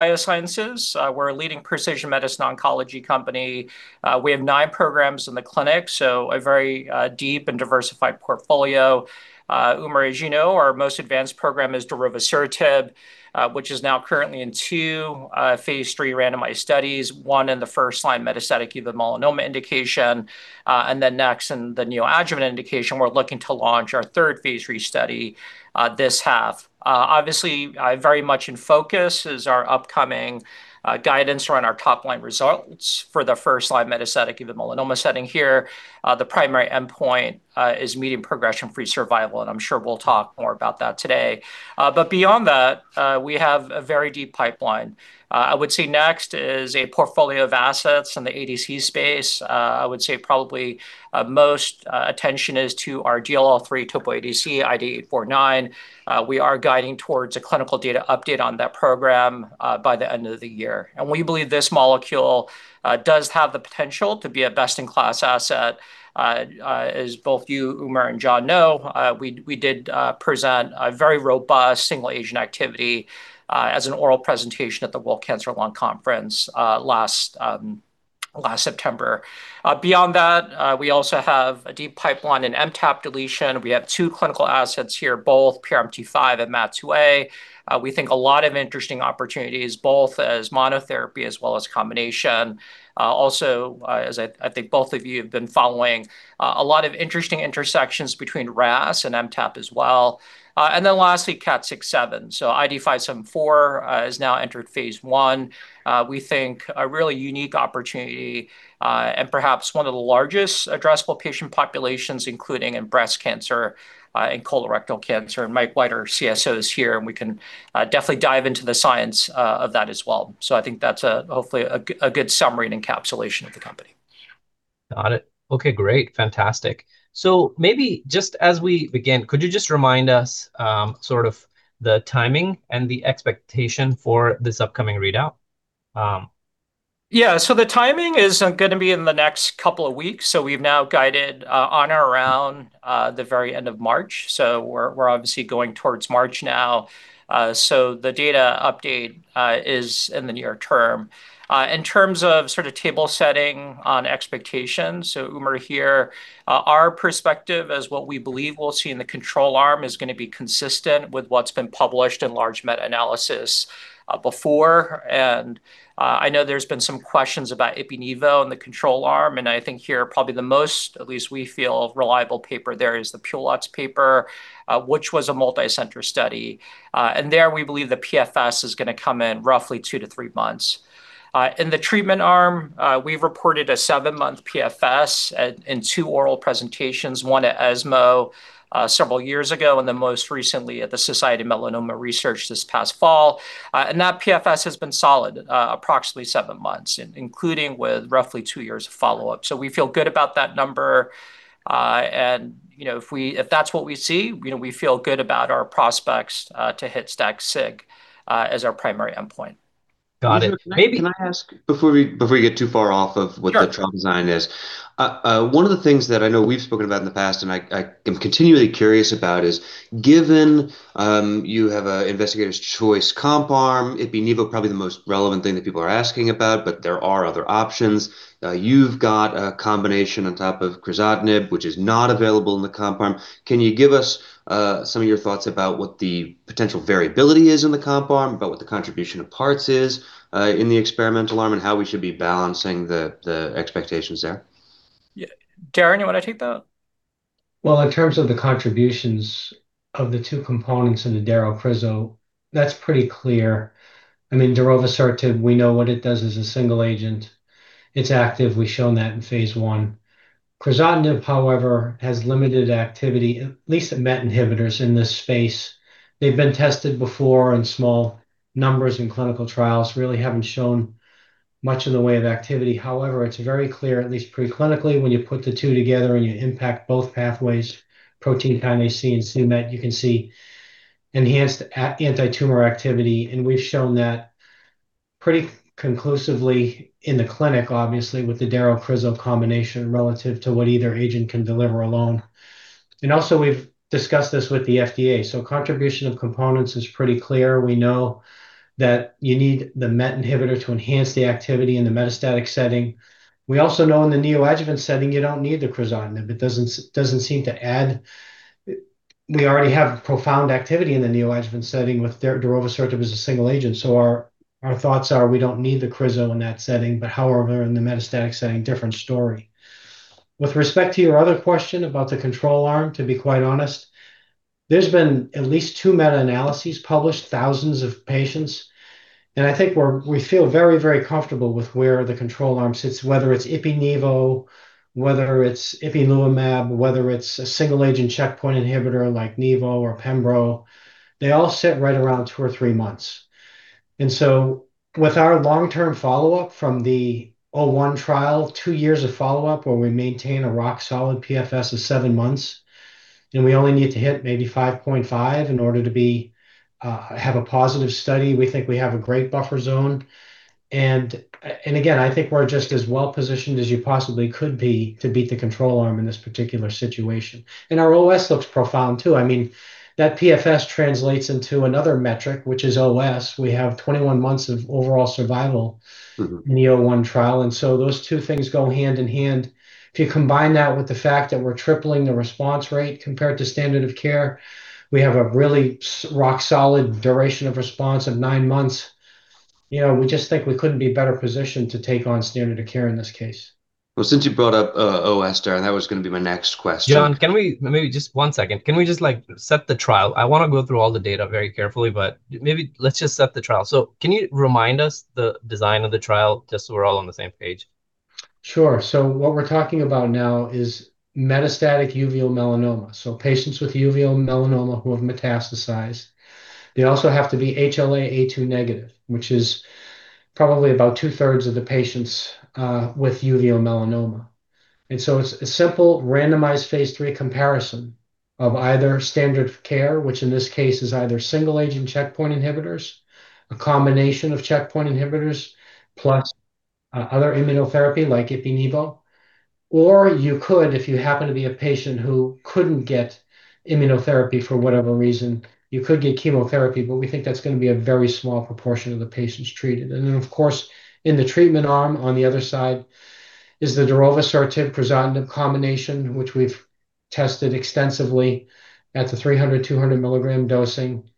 Biosciences, we're a leading precision medicine oncology company. We have nine programs in the clinic, so a very deep and diversified portfolio. Umar, as you know, our most advanced program is darovasertib, which is now currently in two phase III randomized studies, one in the first-line metastatic uveal melanoma indication. Next, in the neoadjuvant indication, we're looking to launch our third phase III study this half. Obviously, very much in focus is our upcoming guidance around our top-line results for the first-line metastatic uveal melanoma setting here. The primary endpoint is median progression-free survival, I'm sure we'll talk more about that today. Beyond that, we have a very deep pipeline. I would say next is a portfolio of assets in the ADC space. I would say probably most attention is to our DLL3 Topo ADC IDE-849. We are guiding towards a clinical data update on that program by the end of the year, and we believe this molecule does have the potential to be a best-in-class asset. As both you, Umar, and John know, we did present a very robust single-agent activity as an oral presentation at the World Conference on Lung Cancer last September. Beyond that, we also have a deep pipeline in MTAP deletion. We have two clinical assets here, both PRMT5 and MAT2A. We think a lot of interesting opportunities, both as monotherapy as well as combination. Also, as I think both of you have been following, a lot of interesting intersections between RAS and MTAP as well. Lastly, KAT6/7. IDE-574 has now entered phase I. We think a really unique opportunity, and perhaps one of the largest addressable patient populations, including in breast cancer, and colorectal cancer. Mick White, our CSO, is here, and we can definitely dive into the science of that as well. I think that's a, hopefully, a good summary and encapsulation of the company. Got it. Okay, great. Fantastic. Maybe just as we begin, could you just remind us, sort of the timing and the expectation for this upcoming readout? Yeah, the timing is gonna be in the next couple of weeks. We've now guided on or around the very end of March, so we're obviously going towards March now. The data update is in the near term. In terms of sort of table setting on expectations, Umar, here, our perspective is what we believe we'll see in the control arm is gonna be consistent with what's been published in large meta-analysis before. I know there's been some questions about ipi/nivo in the control arm, and I think here, probably the most, at least we feel, reliable paper there is the Piulats paper, which was a multi-center study. There, we believe the PFS is gonna come in roughly 2-3-months. In the treatment arm, we've reported a 7-month PFS in two oral presentations, one at ESMO, several years ago and then most recently at the Society for Melanoma Research this past fall. That PFS has been solid, approximately seven months, including with roughly two years of follow-up. We feel good about that number. You know, if that's what we see, you know, we feel good about our prospects to hit stat sig as our primary endpoint. Got it. Can I, can I ask, before we, before we get too far off of what- Sure.... the trial design is one of the things that I know we've spoken about in the past, and I am continually curious about, is given, you have a investigator's choice comp arm, ipi/Nivolumab, probably the most relevant thing that people are asking about. There are other options. You've got a combination on top of crizotinib, which is not available in the comp arm. Can you give us some of your thoughts about what the potential variability is in the comp arm, about what the contribution of parts is in the experimental arm, and how we should be balancing the, the expectations there? Yeah. Darrin, you wanna take that? Well, in terms of the contributions of the two components in the daro-crizo, that's pretty clear. I mean, darovasertib, we know what it does as a single agent. It's active. We've shown that in phase I. Crizotinib, however, has limited activity, at least at MET inhibitors in this space. They've been tested before in small numbers, in clinical trials. Really haven't shown much in the way of activity. It's very clear, at least pre-clinically, when you put the two together, and you impact both pathways, Protein Kinase C and cMET, you can see enhanced antitumor activity, and we've shown that pretty conclusively in the clinic, obviously, with the daro-crizo combination, relative to what either agent can deliver alone. Also, we've discussed this with the FDA. Contribution of components is pretty clear. We know that you need the MET inhibitor to enhance the activity in the metastatic setting. We also know in the neoadjuvant setting, you don't need the crizotinib. It doesn't seem to add. We already have profound activity in the neoadjuvant setting with darovasertib as a single agent, so our, our thoughts are we don't need the crizo in that setting. However, in the metastatic setting, different story. With respect to your other question about the control arm, to be quite honest, there's been at least two meta-analyses published, thousands of patients, and I think we feel very, very comfortable with where the control arm sits, whether it's ipi/nivo, whether it's ipilimumab, whether it's a single-agent checkpoint inhibitor like nivo or pembro. They all sit right around two or three months. With our long-term follow-up from the OptimUM-01 trial, two years of follow-up, where we maintain a rock-solid PFS of seven months, and we only need to hit maybe 5.5 in order to be, have a positive study. We think we have a great buffer zone. Again, I think we're just as well positioned as you possibly could be to beat the control arm in this particular situation. Our OS looks profound, too. I mean, that PFS translates into another metric, which is OS. We have 21 months of overall survival. Mm-hmm... in the OptimUM-01 trial, and so those two things go hand in hand. If you combine that with the fact that we're tripling the response rate compared to standard of care, we have a really rock solid duration of response of nine months. You know, we just think we couldn't be better positioned to take on standard of care in this case. Well, since you brought up, OS, Darrin, that was gonna be my next question. John, can we maybe just 1 second? Can we just, like, set the trial? I wanna go through all the data very carefully, but maybe let's just set the trial. Can you remind us the design of the trial, just so we're all on the same page? Sure. What we're talking about now is metastatic uveal melanoma. Patients with uveal melanoma who have metastasized. They also have to be HLA-A2 negative, which is probably about 2/3 of the patients with uveal melanoma. It's a simple, randomized phase III comparison of either standard of care, which in this case is either single-agent checkpoint inhibitors, a combination of checkpoint inhibitors, plus other immunotherapy, like ipi-Nivolumab. You could, if you happen to be a patient who couldn't get immunotherapy for whatever reason, you could get chemotherapy, but we think that's gonna be a very small proportion of the patients treated. Of course, in the treatment arm, on the other side, is the darovasertib crizotinib combination, which we've tested extensively at the 300, 200 milligram dosing.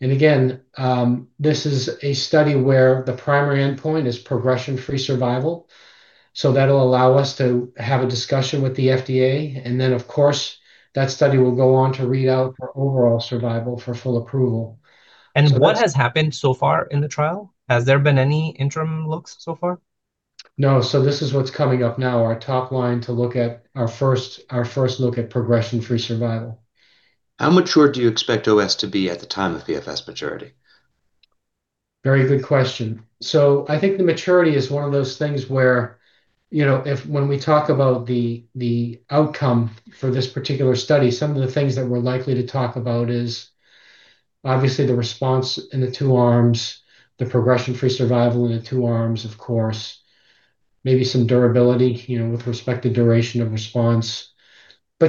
Again, this is a study where the primary endpoint is progression-free survival, so that'll allow us to have a discussion with the FDA. Then, of course, that study will go on to read out for overall survival for full approval. What has happened so far in the trial? Has there been any interim looks so far? No. This is what's coming up now, our top line to look at our first, our first look at progression-free survival. How mature do you expect OS to be at the time of PFS maturity? Very good question. I think the maturity is one of those things where, you know, if when we talk about the, the outcome for this particular study, some of the things that we're likely to talk about is obviously the response in the two arms, the progression-free survival in the two arms, of course, maybe some durability, you know, with respect to duration of response.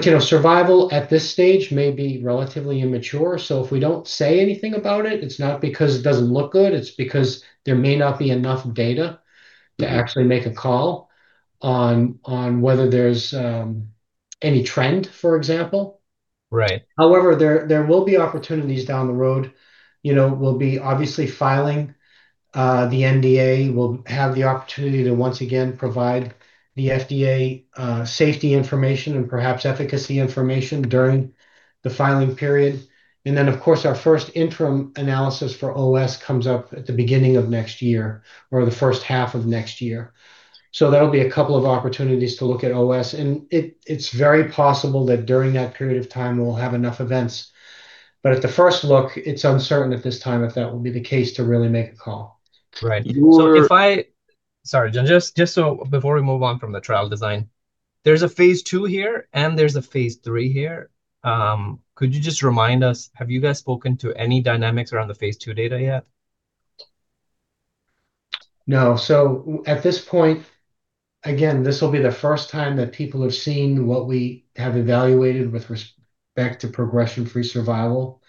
You know, survival at this stage may be relatively immature. If we don't say anything about it, it's not because it doesn't look good, it's because there may not be enough data- Mm... to actually make a call on, on whether there's any trend, for example. Right. However, there, there will be opportunities down the road. You know, we'll be obviously filing, the NDA. We'll have the opportunity to once again provide the FDA, safety information and perhaps efficacy information during the filing period. Of course, our first interim analysis for OS comes up at the beginning of next year, or the first half of next year. That'll be a couple of opportunities to look at OS, and it, it's very possible that during that period of time, we'll have enough events. At the first look, it's uncertain at this time if that will be the case to really make a call. Right. So if I- Sorry, John, before we move on from the trial design, there's a phase II here, and there's a phase III here. Could you just remind us, have you guys spoken to any dynamics around the phase II data yet? No. At this point, again, this will be the first time that people have seen what we have evaluated with respect to progression-free survival,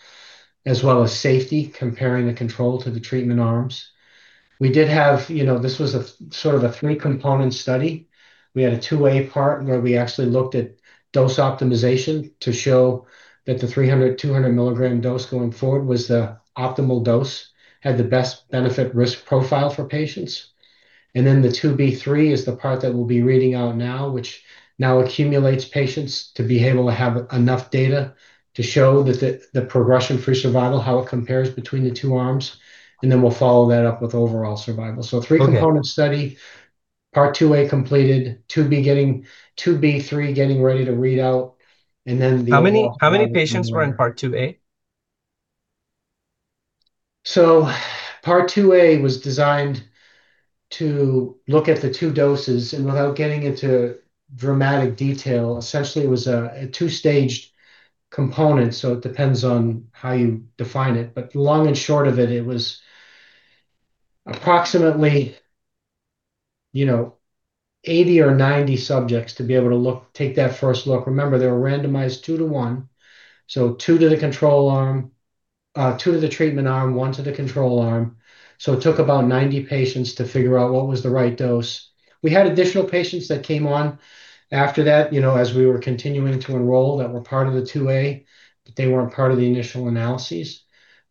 as well as safety, comparing the control to the treatment arms. We did have... You know, this was a sort of a 3-component study. We had a 2-A part, where we actually looked at dose optimization to show that the 300, 200 milligram dose going forward was the optimal dose, had the best benefit-risk profile for patients. Then the 2B3 is the part that we'll be reading out now, which now accumulates patients to be able to have enough data to show that the progression-free survival, how it compares between the two arms, and then we'll follow that up with overall survival. Okay. 3-component study, Part 2A completed, 2B getting... 2B3 getting ready to read out, and then the. How many, how many patients were in Part 2A? Part 2A was designed to look at the two doses, and without getting into dramatic detail, essentially, it was a 2-staged component, so it depends on how you define it. The long and short of it was approximately, you know, 80 or 90 subjects to be able to look, take that first look. Remember, they were randomized two-to-one, so two to the control arm, two to the treatment arm, one to the control arm. It took about 90 patients to figure out what was the right dose. We had additional patients that came on after that, you know, as we were continuing to enroll, that were part of the 2A, but they weren't part of the initial analyses.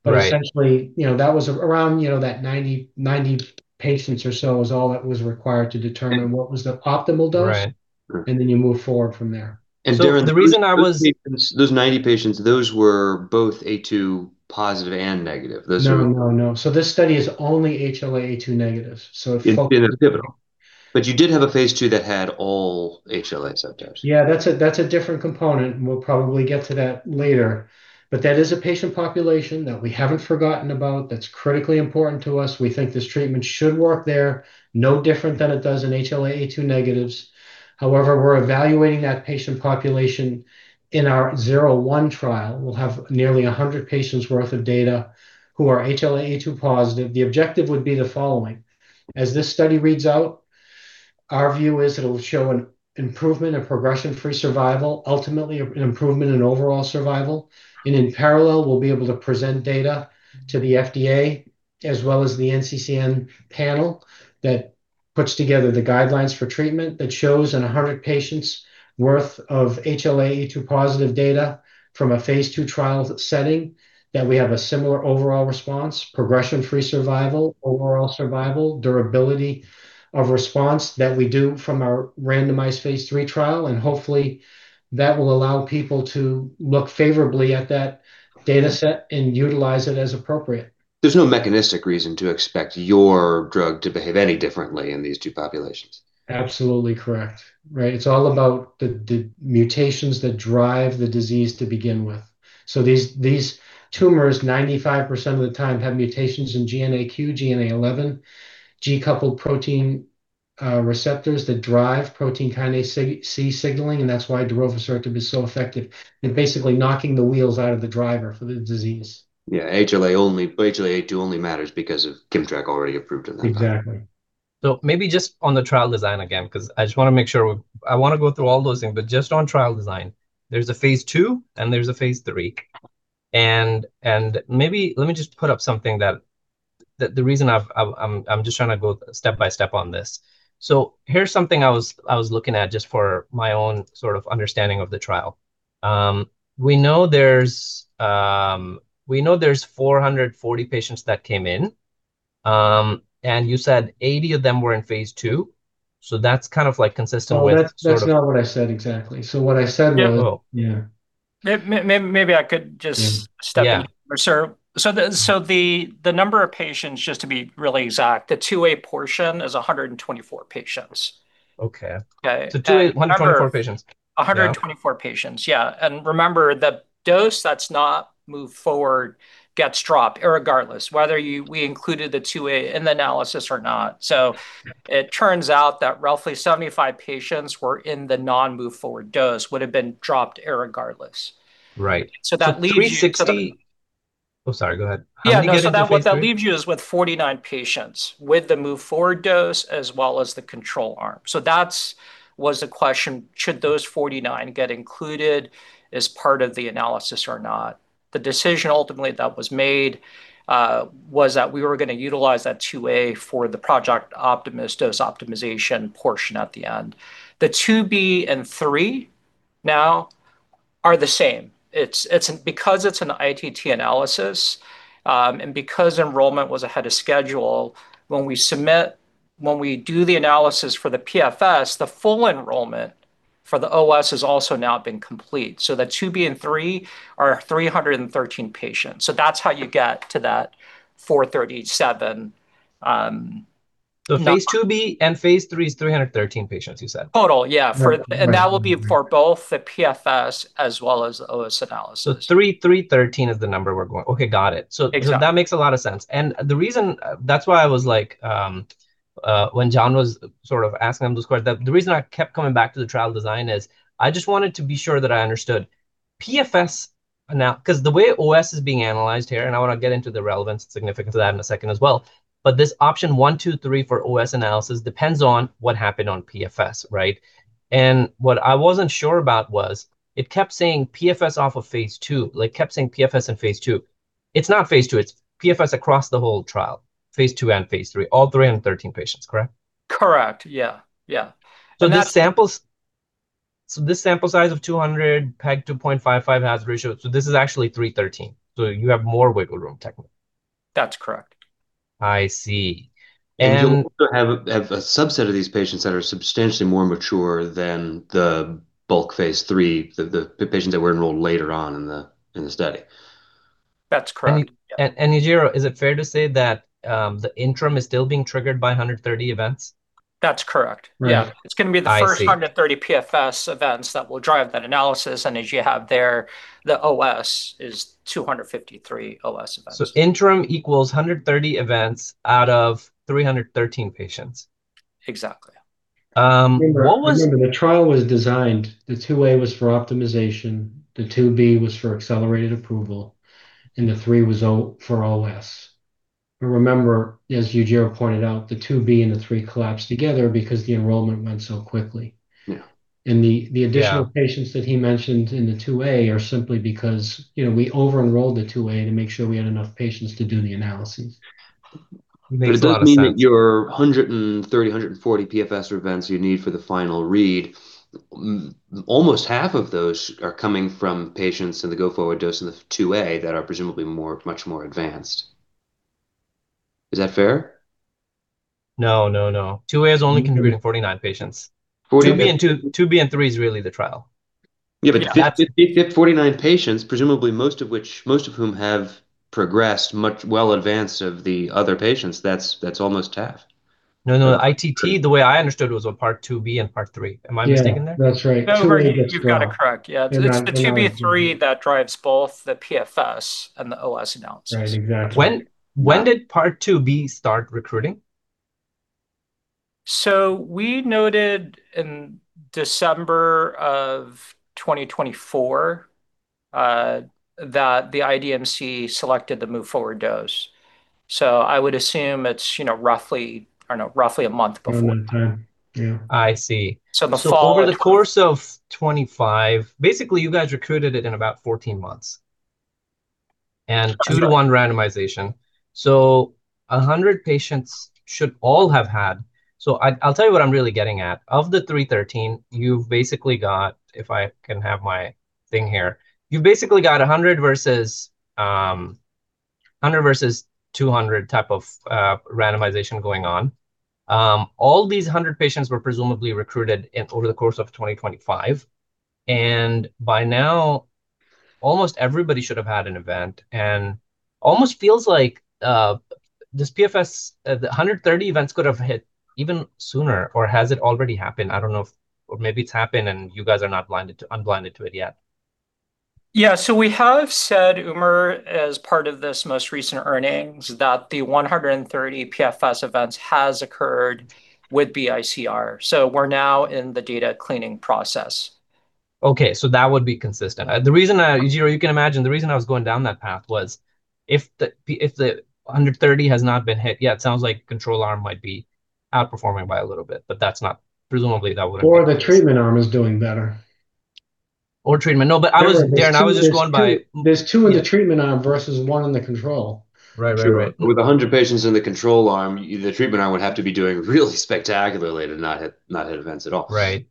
Right. Essentially, you know, that was around, you know, that 90 patients or so was all that was required to determine what was the optimal dose. Right. Then you move forward from there. Darren. The reason I. Those 90 patients, those were both A2 positive and negative. Those were- No, no, no. This study is only HLA-A2 negative, so it focused- In a pivotal. You did have a phase II that had all HLA subtypes. Yeah, that's a different component. We'll probably get to that later. That is a patient population that we haven't forgotten about, that's critically important to us. We think this treatment should work there, no different than it does in HLA-A2 negatives. However, we're evaluating that patient population in our 01 trial. We'll have nearly 100 patients' worth of data who are HLA-A2 positive. The objective would be the following: As this study reads out, our view is it'll show an improvement in progression-free survival, ultimately, an improvement in overall survival. In parallel, we'll be able to present data to the FDA, as well as the NCCN panel, that puts together the guidelines for treatment, that shows in 100 patients' worth of HLA-A*02 positive data from a phase II trial setting, that we have a similar overall response, progression-free survival, overall survival, durability of response that we do from our randomized phase III trial, and hopefully that will allow people to look favorably at that data set and utilize it as appropriate. There's no mechanistic reason to expect your drug to behave any differently in these two populations? Absolutely correct. Right, it's all about the, the mutations that drive the disease to begin with. These, these tumors, 95% of the time, have mutations in GNAQ, GNA11, G protein-coupled receptors that drive Protein Kinase C signaling, and that's why darovasertib is so effective in basically knocking the wheels out of the driver for the disease. Yeah, HLA-A*02 only matters because of Kimmtrak already approved in that. Exactly. Maybe just on the trial design again, because I just wanna make sure we. I wanna go through all those things, but just on trial design, there's a phase II and there's a phase III. Maybe let me just put up something that, that the reason I've, I'm just trying to go step by step on this. Here's something I was, I was looking at just for my own sort of understanding of the trial. We know there's, we know there's 440 patients that came in, and you said 80 of them were in phase II, so that's kind of, like, consistent with sort of- No, that's, that's not what I said exactly. What I said was. Yeah. Well, yeah. Maybe I could just- Yeah... step in, sir. The number of patients, just to be really exact, the phase IIa portion is 124 patients. Okay. Okay. 2a, 124 patients. 124 patients, yeah. Yeah. Remember, the dose that's not moved forward gets dropped regardless, whether you, we included the 2a in the analysis or not. Yeah... it turns out that roughly 75 patients were in the non-move-forward dose, would've been dropped regardless. Right. That leaves you. 360... Oh, sorry, go ahead. Yeah. How many get into phase III? What that leaves you is with 49 patients, with the move-forward dose, as well as the control arm. That's, was the question, should those 49 get included as part of the analysis or not? The decision ultimately that was made was that we were going to utilize that phase IIa for the Project Optimus dose optimization portion at the end. the phase IIb and phase III now are the same. It's because it's an ITT analysis, and because enrollment was ahead of schedule, when we do the analysis for the PFS, the full enrollment for the OS has also now been complete. the phase IIb and phase III are 313 patients. That's how you get to that 437 number. phase IIb and phase III is 313 patients, you said? Total, yeah. Total, right. That will be for both the PFS as well as OS analysis. 313 is the number we're going. Okay, got it. Exactly. That makes a lot of sense. The reason, that's why I was like, when John was sort of asking him those questions, the reason I kept coming back to the trial design is, I just wanted to be sure that I understood. PFS anal... 'Cause the way OS is being analyzed here, and I wanna get into the relevance and significance of that in a second as well, but this option 1, 2, 3 for OS analysis depends on what happened on PFS, right? What I wasn't sure about was, it kept saying PFS off of phase II, like, kept saying PFS in phase II. It's not phase II, it's PFS across the whole trial, phase II and phase III, all 313 patients, correct? Correct. Yeah, yeah. This sample, this sample size of 200, PEG 2.55 has ratio, so this is actually 313. You have more wiggle room, technically. That's correct. I see. You'll also have a subset of these patients that are substantially more mature than the bulk phase III, the patients that were enrolled later on in the study. That's correct. Yujiro, is it fair to say that, the interim is still being triggered by 130 events? That's correct. Right. Yeah. I see. It's gonna be the first 130 PFS events that will drive that analysis, and as you have there, the OS is 253 OS events. interim equals 130 events out of 313 patients. Exactly. Um, what was- Remember, the trial was designed, the 2a was for optimization, the 2b was for accelerated approval, and the 3 was for OS. Remember, as Yujiro pointed out, the 2b and the three collapsed together because the enrollment went so quickly. Yeah. And the- Yeah... the additional patients that he mentioned in the phase IIa are simply because, you know, we over-enrolled the phase IIa to make sure we had enough patients to do the analysis. Makes a lot of sense. It does mean that your 130, 140 PFS events you need for the final read, almost half of those are coming from patients in the go-forward dose in the 2a, that are presumably more, much more advanced. Is that fair? No, no, no. 2a is only contributing 49 patients. 49- 2b and 2, 2b and 3 is really the trial. Yeah, if, if 49 patients, presumably, most of which, most of whom have progressed much well advanced of the other patients, that's, that's almost half. ITT, the way I understood it, was on Part 2b and Part 3. Am I mistaken there? Yeah, that's right. No, you've got it correct. Yeah. Yeah, it's the 2b, three that drives both the PFS and the OS analysis. Right, exactly. When- Yeah when did Part 2b start recruiting? We noted in December of 2024 that the IDMC selected the move forward dose. I would assume it's, you know, roughly, I don't know, roughly a month before. One time. Yeah. I see. So before- Over the course of 25, basically, you guys recruited it in about 14 months. 2-to-1 randomization, so 100 patients should all have had... I, I'll tell you what I'm really getting at. Of the 313, you've basically got, if I can have my thing here, you've basically got 100 versus 100 versus 200 type of randomization going on. All these 100 patients were presumably recruited in, over the course of 2025, and by now, almost everybody should have had an event, and almost feels like this PFS, the 130 events could have hit even sooner, or has it already happened? I don't know if, or maybe it's happened, and you guys are not unblinded to it yet. Yeah. We have said, Umar, as part of this most recent earnings, that the 130 PFS events has occurred with BICR. We're now in the data-cleaning process. Okay, that would be consistent. The reason, you know, you can imagine, the reason I was going down that path was if the if the under 30 has not been hit yet, it sounds like control arm might be outperforming by a little bit, but that's not, presumably that would... The treatment arm is doing better. treatment. No, I was- Yeah, there's. I was just going by- There's two in the treatment arm versus 1 in the control. Right, right, right. True. With 100 patients in the control arm, the treatment arm would have to be doing really spectacularly to not hit, not hit events at all. Right.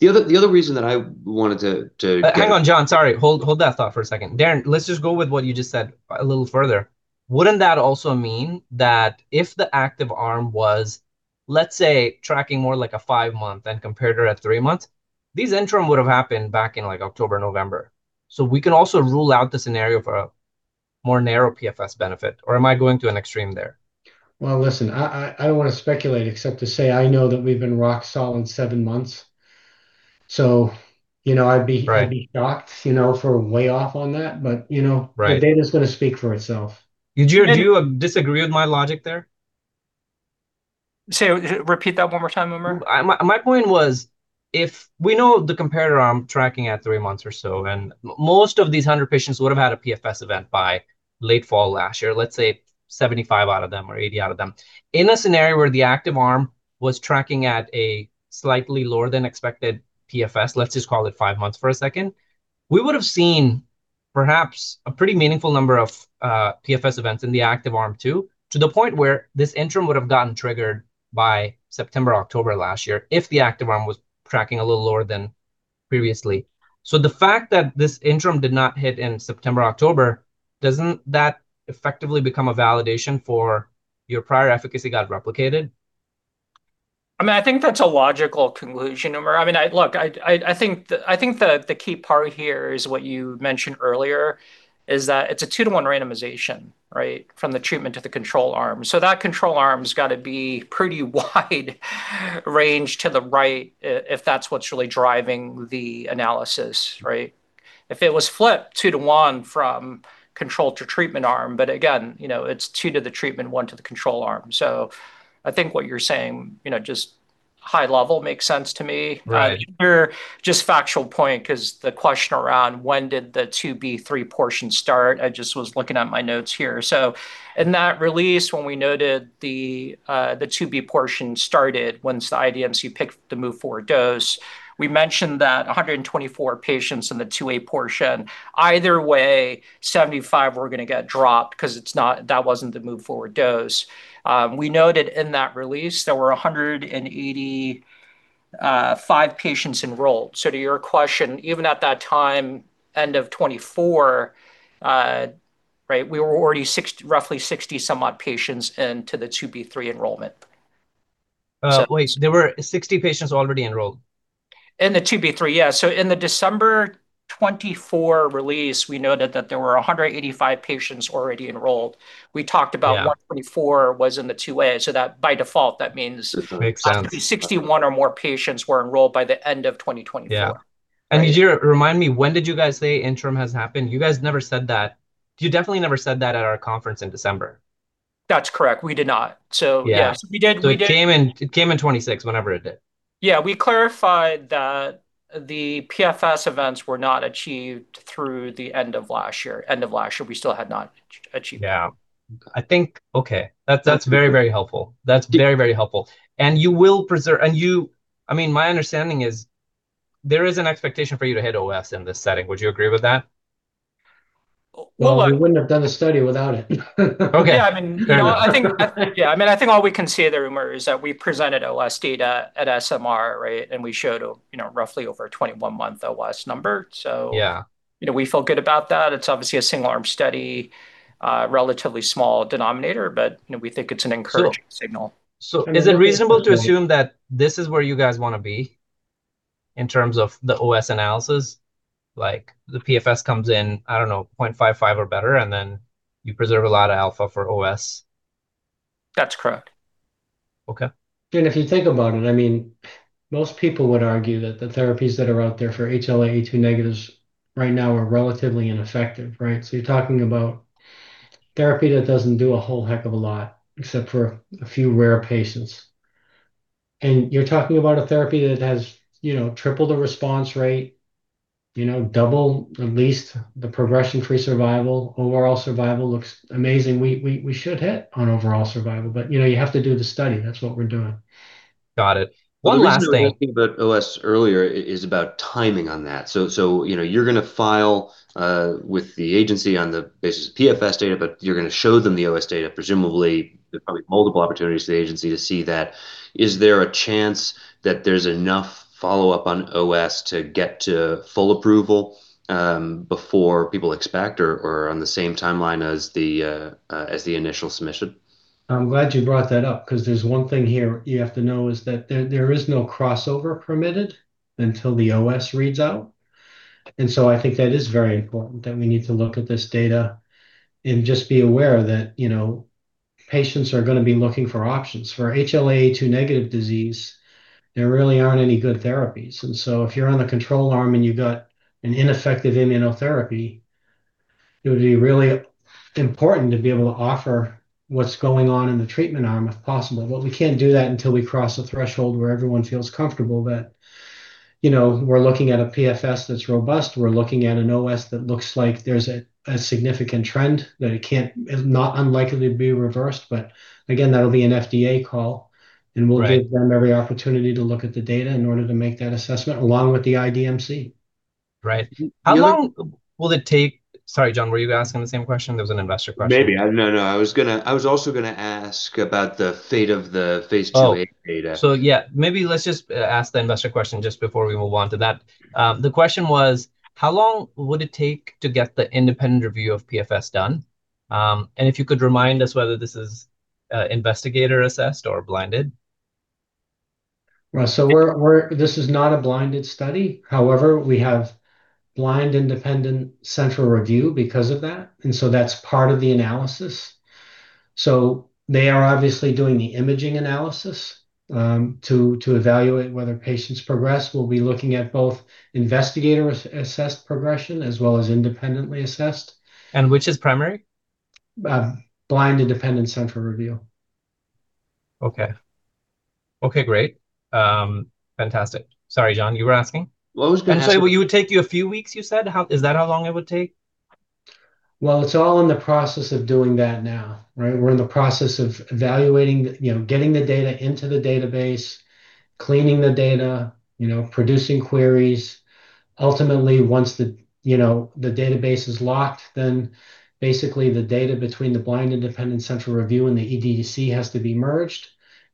The other reason that I wanted to. Hang on, John. Sorry. Hold, hold that thought for a second. Darren, let's just go with what you just said a little further. Wouldn't that also mean that if the active arm was, let's say, tracking more like a five month and compared to at three months, these interim would have happened back in, like, October, November. We can also rule out the scenario for a more narrow PFS benefit, or am I going to an extreme there? Well, listen, I don't wanna speculate, except to say I know that we've been rock solid seven months, you know, I'd be- Right I'd be shocked, you know, if we're way off on that, but, you know... Right the data's gonna speak for itself. Yujiro, do you disagree with my logic there? Say, repeat that one more time, Umar. My, my point was, if we know the comparator arm tracking at three months or so, and most of these 100 patients would've had a PFS event by late fall last year, let's say 75 out of them, or 80 out of them. In a scenario where the active arm was tracking at a slightly lower than expected PFS, let's just call it five months for a second, we would've seen perhaps a pretty meaningful number of PFS events in the active arm too, to the point where this interim would've gotten triggered by September, October last year, if the active arm was tracking a little lower than previously. The fact that this interim did not hit in September, October, doesn't that effectively become a validation for your prior efficacy got replicated? I mean, I think that's a logical conclusion, Umar. I mean, I think the key part here is what you mentioned earlier, is that it's a 2-to-1 randomization, right, from the treatment to the control arm. That control arm's gotta be pretty wide range to the right, if that's what's really driving the analysis, right? If it was flipped 2-to-1 from control to treatment arm, again, you know, it's two to the treatment, one to the control arm. I think what you're saying, you know, just high level, makes sense to me. Right. Just factual point, 'cause the question around when did the 2B/3 portion start, I just was looking at my notes here. In that release, when we noted the 2B portion started, once the IDMC picked the move forward dose, we mentioned that 124 patients in the 2A portion, either way, 75 were gonna get dropped, 'cause it's not, that wasn't the move forward dose. We noted in that release there were 185 patients enrolled. To your question, even at that time, end of 2024, right, we were already roughly 60 some odd patients into the 2B/3 enrollment. Wait, there were 60 patients already enrolled? In the 2B3, yeah. In the December 24 release, we noted that there were 185 patients already enrolled. Yeah. We talked about 124 was in the 2A, so that, by default, that means- Makes sense. 61 or more patients were enrolled by the end of 2024. Yeah. Right. Yujiro, remind me, when did you guys say interim has happened? You guys never said that... You definitely never said that at our conference in December. That's correct. We did not. Yeah. Yes, we did-. It came in, it came in 26, whenever it did. Yeah, we clarified that the PFS events were not achieved through the end of last year, end of last year, we still had not achieved them. Yeah. I think, okay, that's, that's very helpful. That's very helpful. I mean, my understanding is there is an expectation for you to hit OS in this setting. Would you agree with that? Well, we wouldn't have done the study without it. Okay. Yeah, I mean- There you go. I think, yeah, I mean, I think all we can say there, Umar, is that we presented OS data at SMR, right? We showed, you know, roughly over a 21-month OS number, so... Yeah you know, we feel good about that. It's obviously a single-arm study, relatively small denominator, but, you know, we think it's an encouraging signal. Is it reasonable to assume that this is where you guys wanna be, in terms of the OS analysis? Like, the PFS comes in, I don't know, 0.55 or better, and then you preserve a lot of alpha for OS. That's correct. Okay. If you think about it, I mean, most people would argue that the therapies that are out there for HLA-A2 negatives right now are relatively ineffective, right? You're talking about therapy that doesn't do a whole heck of a lot, except for a few rare patients.... You're talking about a therapy that has, you know, tripled the response rate, you know, double at least the progression-free survival. Overall survival looks amazing. We, we, we should hit on overall survival, you know, you have to do the study. That's what we're doing. Got it. One last thing. One thing we were talking about OS earlier is about timing on that. So, you know, you're gonna file with the agency on the basis of PFS data, but you're gonna show them the OS data, presumably, there are probably multiple opportunities for the agency to see that. Is there a chance that there's enough follow-up on OS to get to full approval before people expect or, or on the same timeline as the initial submission? I'm glad you brought that up, because there's one thing here you have to know, is that there, there is no crossover permitted until the OS reads out. So I think that is very important, that we need to look at this data and just be aware that, you know, patients are gonna be looking for options. For HLA-A2 negative disease, there really aren't any good therapies. So if you're on the control arm and you got an ineffective immunotherapy, it would be really important to be able to offer what's going on in the treatment arm, if possible. We can't do that until we cross the threshold where everyone feels comfortable that, you know, we're looking at a PFS that's robust. We're looking at an OS that looks like there's a, a significant trend, that it's not unlikely to be reversed. Again, that'll be an FDA call-. Right We'll give them every opportunity to look at the data in order to make that assessment, along with the IDMC. Right. How long will it take...? Sorry, John, were you asking the same question? There was an investor question. Maybe. No, no, I was also gonna ask about the fate of the phase IIa data. Oh, yeah, maybe let's just ask the investor question just before we move on to that. The question was, 'How long would it take to get the independent review of PFS done? If you could remind us whether this is investigator-assessed or blinded.' Right. This is not a blinded study. However, we have blind, independent central review because of that, and so that's part of the analysis. They are obviously doing the imaging analysis to evaluate whether patients progress. We'll be looking at both investigator-assessed progression as well as independently assessed. Which is primary? Blind, independent central review. Okay. Okay, great. fantastic. Sorry, John, you were asking? Well, I was gonna say- So it would take you a few weeks, you said? Is that how long it would take? Well, it's all in the process of doing that now, right? We're in the process of evaluating, you know, getting the data into the database, cleaning the data, you know, producing queries. Ultimately, once the, you know, the database is locked, then basically the data between the blind, independent central review and the EDDC has to be merged,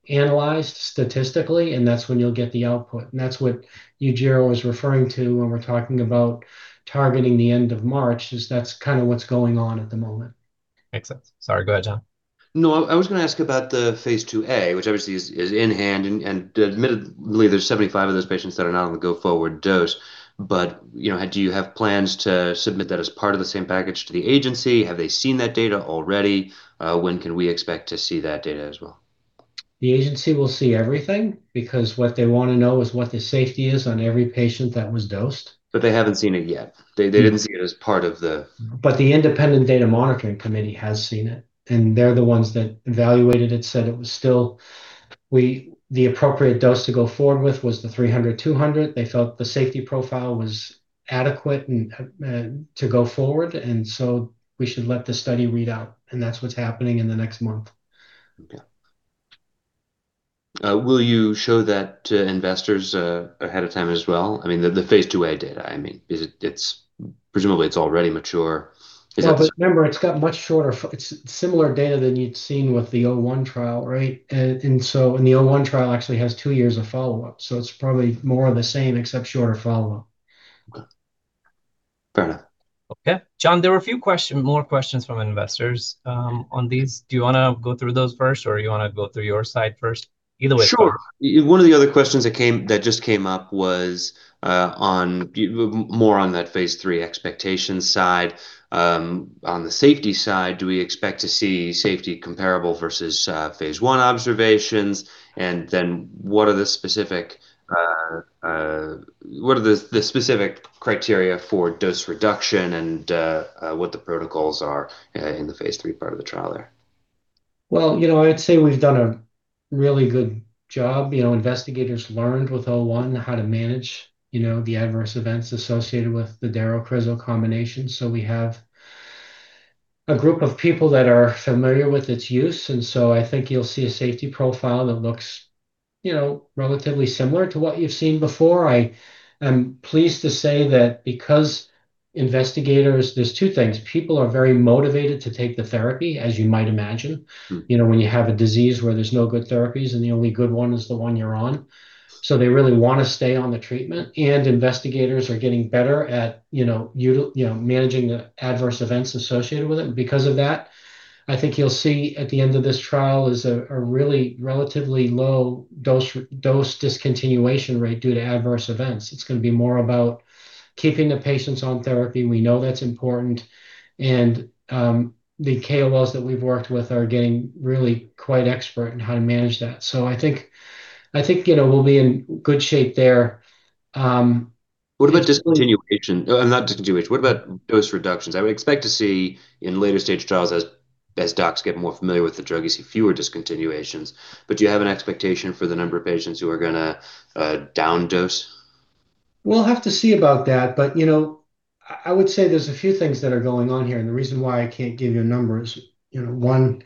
analyzed statistically, and that's when you'll get the output. That's what Yujiro was referring to when we're talking about targeting the end of March, is that's kind of what's going on at the moment. Makes sense. Sorry. Go ahead, John. I was gonna ask about the phase IIa, which obviously is, is in hand, and, admittedly, there's 75 of those patients that are not on the go-forward dose. You know, do you have plans to submit that as part of the same package to the agency? Have they seen that data already? When can we expect to see that data as well? The agency will see everything, because what they wanna know is what the safety is on every patient that was dosed. They haven't seen it yet. Mm... see it as part of the- The independent data monitoring committee has seen it, and they're the ones that evaluated it, said it was still, the appropriate dose to go forward with was the 300, 200. They felt the safety profile was adequate and to go forward, and so we should let the study read out, and that's what's happening in the next month. Okay. Will you show that to investors ahead of time as well? I mean, the phase IIa data, I mean. Is it? It's, presumably, it's already mature. Remember, it's got much shorter it's similar data than you'd seen with the O1 trial, right? The O1 trial actually has two years of follow-up, so it's probably more of the same, except shorter follow-up. Okay. Fair enough. Okay. John, there were a few more questions from investors on these. Do you wanna go through those first, or you wanna go through your side first? Either way is fine. Sure. One of the other questions that just came up was more on that phase III expectations side. On the safety side, do we expect to see safety comparable versus phase I observations? What are the specific criteria for dose reduction and what the protocols are in the phase III part of the trial there? Well, you know, I'd say we've done a really good job. You know, investigators learned with OptimUM-01 how to manage, you know, the adverse events associated with the darovasertib crizotinib combination. We have a group of people that are familiar with its use, and so I think you'll see a safety profile that looks, you know, relatively similar to what you've seen before. I am pleased to say that because investigators, there's two things. People are very motivated to take the therapy, as you might imagine. Mm... you know, when you have a disease where there's no good therapies, and the only good one is the one you're on. They really wanna stay on the treatment. Investigators are getting better at, you know, managing the adverse events associated with it. Because of that, I think you'll see at the end of this trial is a really relatively low dose discontinuation rate due to adverse events. It's gonna be more about keeping the patients on therapy. We know that's important, and the KOLs that we've worked with are getting really quite expert in how to manage that. I think you know, we'll be in good shape there. What about discontinuation? Not discontinuation, what about dose reductions? I would expect to see in later stage trials as, as docs get more familiar with the drug, you see fewer discontinuations. Do you have an expectation for the number of patients who are gonna down dose? We'll have to see about that, but, you know, I would say there's a few things that are going on here, and the reason why I can't give you a number is, you know, one,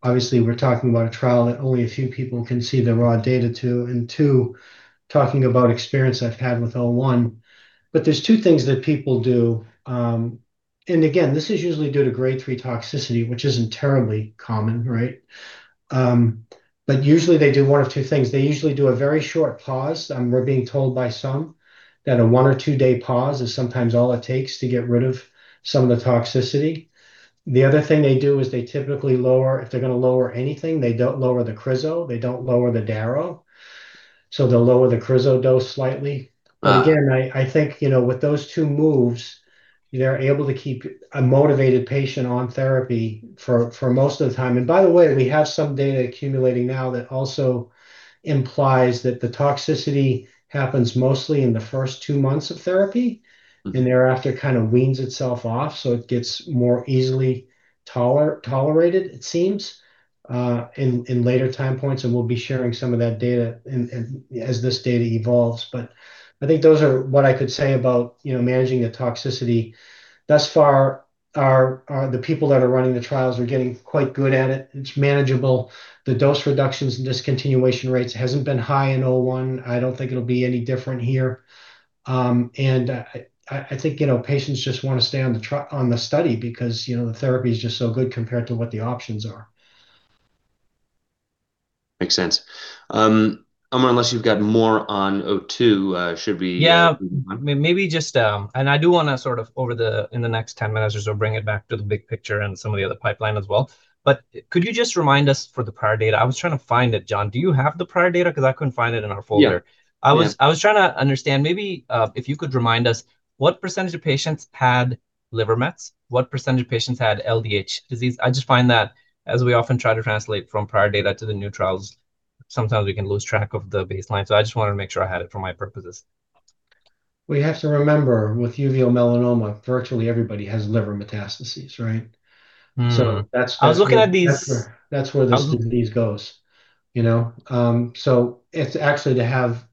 obviously we're talking about a trial that only a few people can see the raw data to, and two, talking about experience I've had with Deferiprone. There's two things that people do, and again, this is usually due to grade three toxicity, which isn't terribly common, right? But usually they do one of two things. They usually do a very short pause. We're being told by some that a one or two day pause is sometimes all it takes to get rid of some of the toxicity. The other thing they do is they typically lower, if they're gonna lower anything, they don't lower the crizo, they don't lower the daro. They'll lower the crizo dose slightly. Ah. Again, I, I think, you know, with those two moves, they're able to keep a motivated patient on therapy for most of the time. By the way, we have some data accumulating now that also implies that the toxicity happens mostly in the first two months of therapy, and thereafter kind of weans itself off, so it gets more easily tolerated, it seems, in later time points, and we'll be sharing some of that data as this data evolves. I think those are what I could say about, you know, managing the toxicity. Thus far, our, the people that are running the trials are getting quite good at it, and it's manageable. The dose reductions and discontinuation rates hasn't been high in Deferiprone. I don't think it'll be any different here. I think, you know, patients just wanna stay on the on the study because, you know, the therapy is just so good compared to what the options are. Makes sense. Umar, unless you've got more on OptimUM-02, should we-. Yeah, maybe just... I do wanna sort of over the, in the next 10 minutes or so, bring it back to the big picture and some of the other pipeline as well. Could you just remind us for the prior data? I was trying to find it. John, do you have the prior data? Because I couldn't find it in our folder. Yeah. I was- Yeah... I was trying to understand, maybe, if you could remind us, what % of patients had liver mets? What % of patients had LDH disease? I just find that as we often try to translate from prior data to the new trials, sometimes we can lose track of the baseline. I just wanted to make sure I had it for my purposes. We have to remember, with uveal melanoma, virtually everybody has liver metastases, right? Mm. So that's- I was looking at these- That's where, that's where the disease goes, you know? It's actually to have,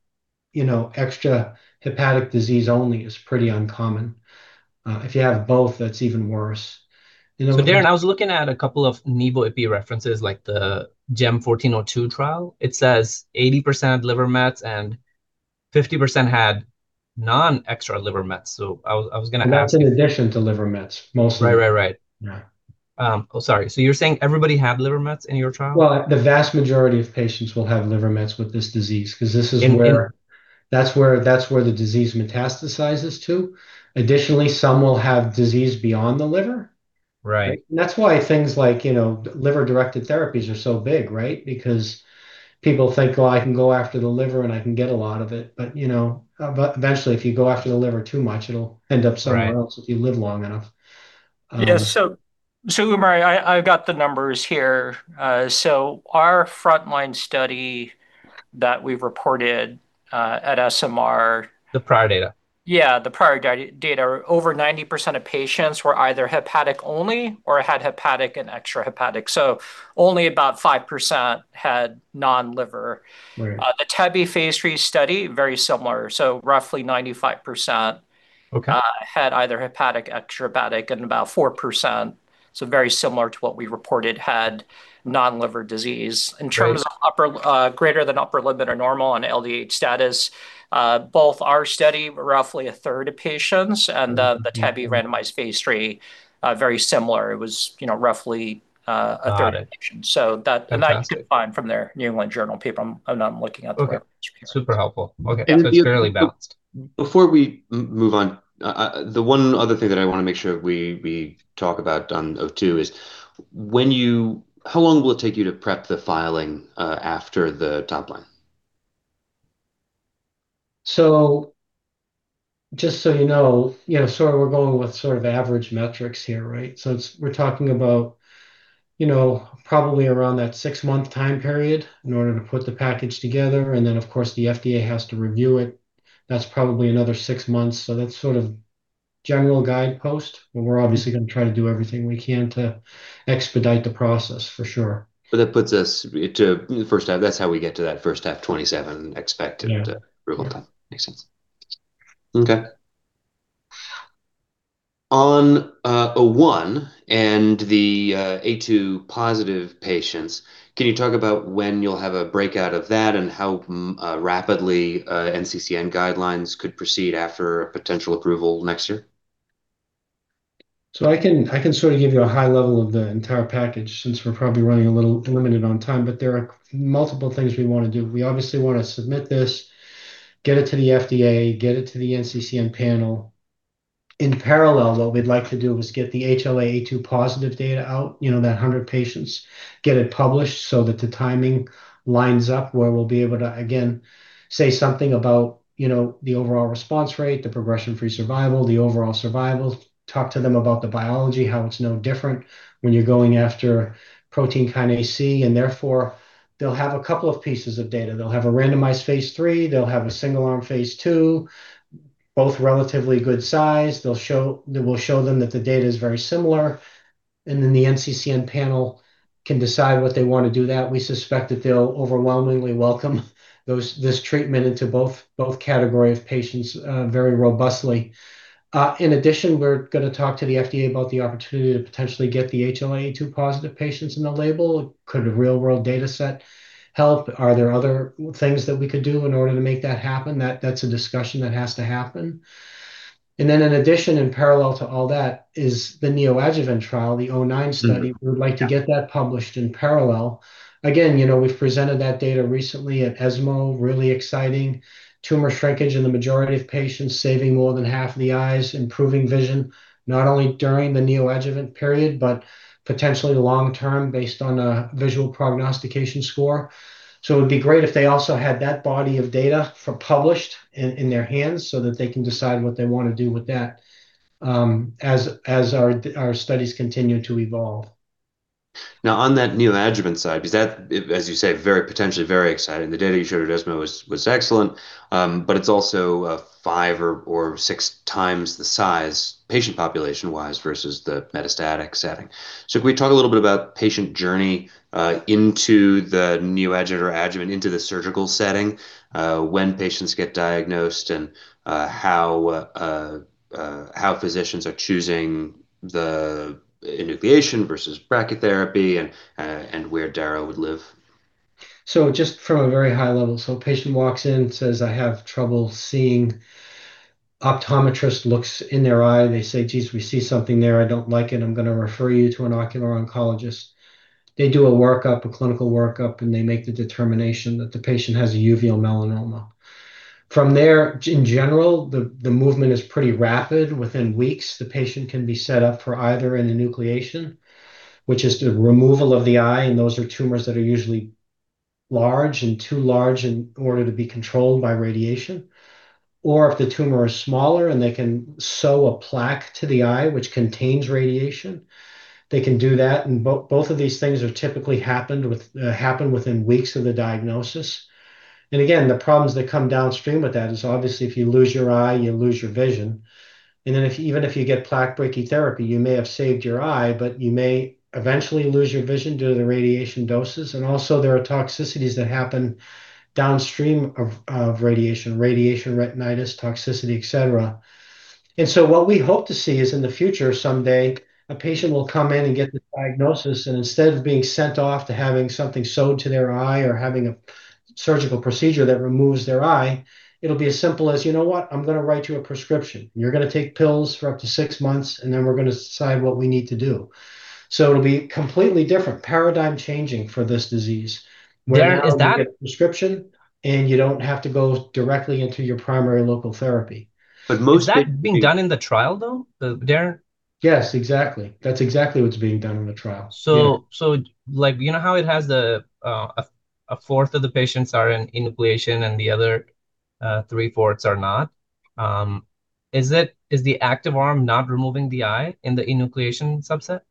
you know, extra hepatic disease only is pretty uncommon. If you have both, that's even worse. You know. Darren, I was looking at a couple of Nivolumab ipi references, like the GEM1402 trial. It says 80% liver mets, and 50% had non-extra liver mets. I was gonna ask- That's in addition to liver mets, mostly. Right. Yeah. Oh, sorry. You're saying everybody had liver mets in your trial? Well, the vast majority of patients will have liver mets with this disease, 'cause this is where- In. That's where, that's where the disease metastasizes to. Additionally, some will have disease beyond the liver. Right. That's why things like, you know, liver-directed therapies are so big, right? Because people think, "Well, I can go after the liver, and I can get a lot of it." You know, but eventually, if you go after the liver too much, it'll end up somewhere else. Right if you live long enough. Yeah, Umar, I've got the numbers here. Our frontline study that we've reported at SMR- The prior data? Yeah, the prior data. Over 90% of patients were either hepatic-only or had hepatic and extrahepatic. Only about 5% had non-liver. Right. The tebentafusp phase III study, very similar, so roughly 95%- Okay... had either hepatic, extrahepatic, and about 4%, so very similar to what we reported, had non-liver disease. Right. In terms of upper, greater than upper limit or normal on LDH status, both our study, roughly a third of patients. Mm-hmm... and the, the tebentafusp randomized phase III, very similar. It was, you know, roughly, a third of the patient. Got it. that, Fantastic... you can find from their New England Journal paper. I'm looking at the Okay. Super helpful. Okay. And- It's fairly balanced. Before we move on, the one other thing that I wanna make sure we, we talk about on OptimUM-02 is when you- how long will it take you to prep the filing after the top line? Just so you know, you know, sort of we're going with sort of average metrics here, right? It's, we're talking about, you know, probably around that six-month time period in order to put the package together, and then, of course, the FDA has to review it. That's probably another six months, so that's sort of general guidepost, but we're obviously gonna try to do everything we can to expedite the process, for sure. That puts us to the first half. That's how we get to that first half 2027 expected. Yeah approval time. Makes sense. Okay. On, O-one and the, A2 positive patients, can you talk about when you'll have a breakout of that and how rapidly, NCCN guidelines could proceed after a potential approval next year? I can, I can sort of give you a high level of the entire package, since we're probably running a little limited on time, but there are multiple things we wanna do. We obviously wanna submit this, get it to the FDA, get it to the NCCN panel. In parallel, what we'd like to do is get the HLA-A2 positive data out, you know, that 100 patients, get it published so that the timing lines up, where we'll be able to again say something about, you know, the overall response rate, the progression-free survival, the overall survival. Talk to them about the biology, how it's no different when you're going after Protein Kinase C, and therefore, they'll have a couple of pieces of data. They'll have a randomized phase III, they'll have a single-arm phase II, both relatively good size. We'll show them that the data is very similar. The NCCN panel can decide what they want to do that. We suspect that they'll overwhelmingly welcome this treatment into both category of patients very robustly. In addition, we're gonna talk to the FDA about the opportunity to potentially get the HLA-A2 positive patients in the label. Could a real world data set help? Are there other things that we could do in order to make that happen? That's a discussion that has to happen. In addition, in parallel to all that, is the neoadjuvant trial, the OptimUM-09 study. Mm-hmm. Yeah. We would like to get that published in parallel. You know, we've presented that data recently at ESMO, really exciting. Tumor shrinkage in the majority of patients, saving more than half of the eyes, improving vision, not only during the neoadjuvant period, but potentially long-term, based on a visual prognostication score. It would be great if they also had that body of data for published in, in their hands so that they can decide what they want to do with that, as our studies continue to evolve. On that neoadjuvant side, because that, it, as you say, very potentially very exciting. The data you showed at ESMO was, was excellent, but it's also, five or 6x the size, patient population-wise, versus the metastatic setting. Can we talk a little bit about patient journey, into the neoadjuvant or adjuvant, into the surgical setting, when patients get diagnosed and, how, how physicians are choosing the enucleation versus brachytherapy and, and where daro would live? Just from a very high level, a patient walks in, says, "I have trouble seeing." Optometrist looks in their eye, they say, "Geez, we see something there, I don't like it. I'm gonna refer you to an ocular oncologist." They do a workup, a clinical workup, and they make the determination that the patient has a uveal melanoma. From there, in general, the movement is pretty rapid. Within weeks, the patient can be set up for either an enucleation, which is the removal of the eye, and those are tumors that are usually large and too large in order to be controlled by radiation. Or if the tumor is smaller and they can sew a plaque to the eye, which contains radiation, they can do that, and both of these things are typically happened with, happen within weeks of the diagnosis. Again, the problems that come downstream with that is obviously, if you lose your eye, you lose your vision. Then if, even if you get plaque brachytherapy, you may have saved your eye, but you may eventually lose your vision due to the radiation doses. Also there are toxicities that happen downstream of, of radiation, radiation retinopathy, toxicity, et cetera. What we hope to see is in the future, someday, a patient will come in and get the diagnosis, and instead of being sent off to having something sewed to their eye or having a surgical procedure that removes their eye, it'll be as simple as: "You know what? I'm gonna write you a prescription. You're gonna take pills for up to 6 months, and then we're gonna decide what we need to do." It'll be completely different, paradigm changing for this disease. Daro, is that- Where you get a prescription, you don't have to go directly into your primary local therapy. But most- Is that being done in the trial, though, daro? Yes, exactly. That's exactly what's being done in the trial. Yeah. Like, you know how it has the, a fourth of the patients are in enucleation and the other, three-fourths are not? Is it- is the active arm not removing the eye in the enucleation subset?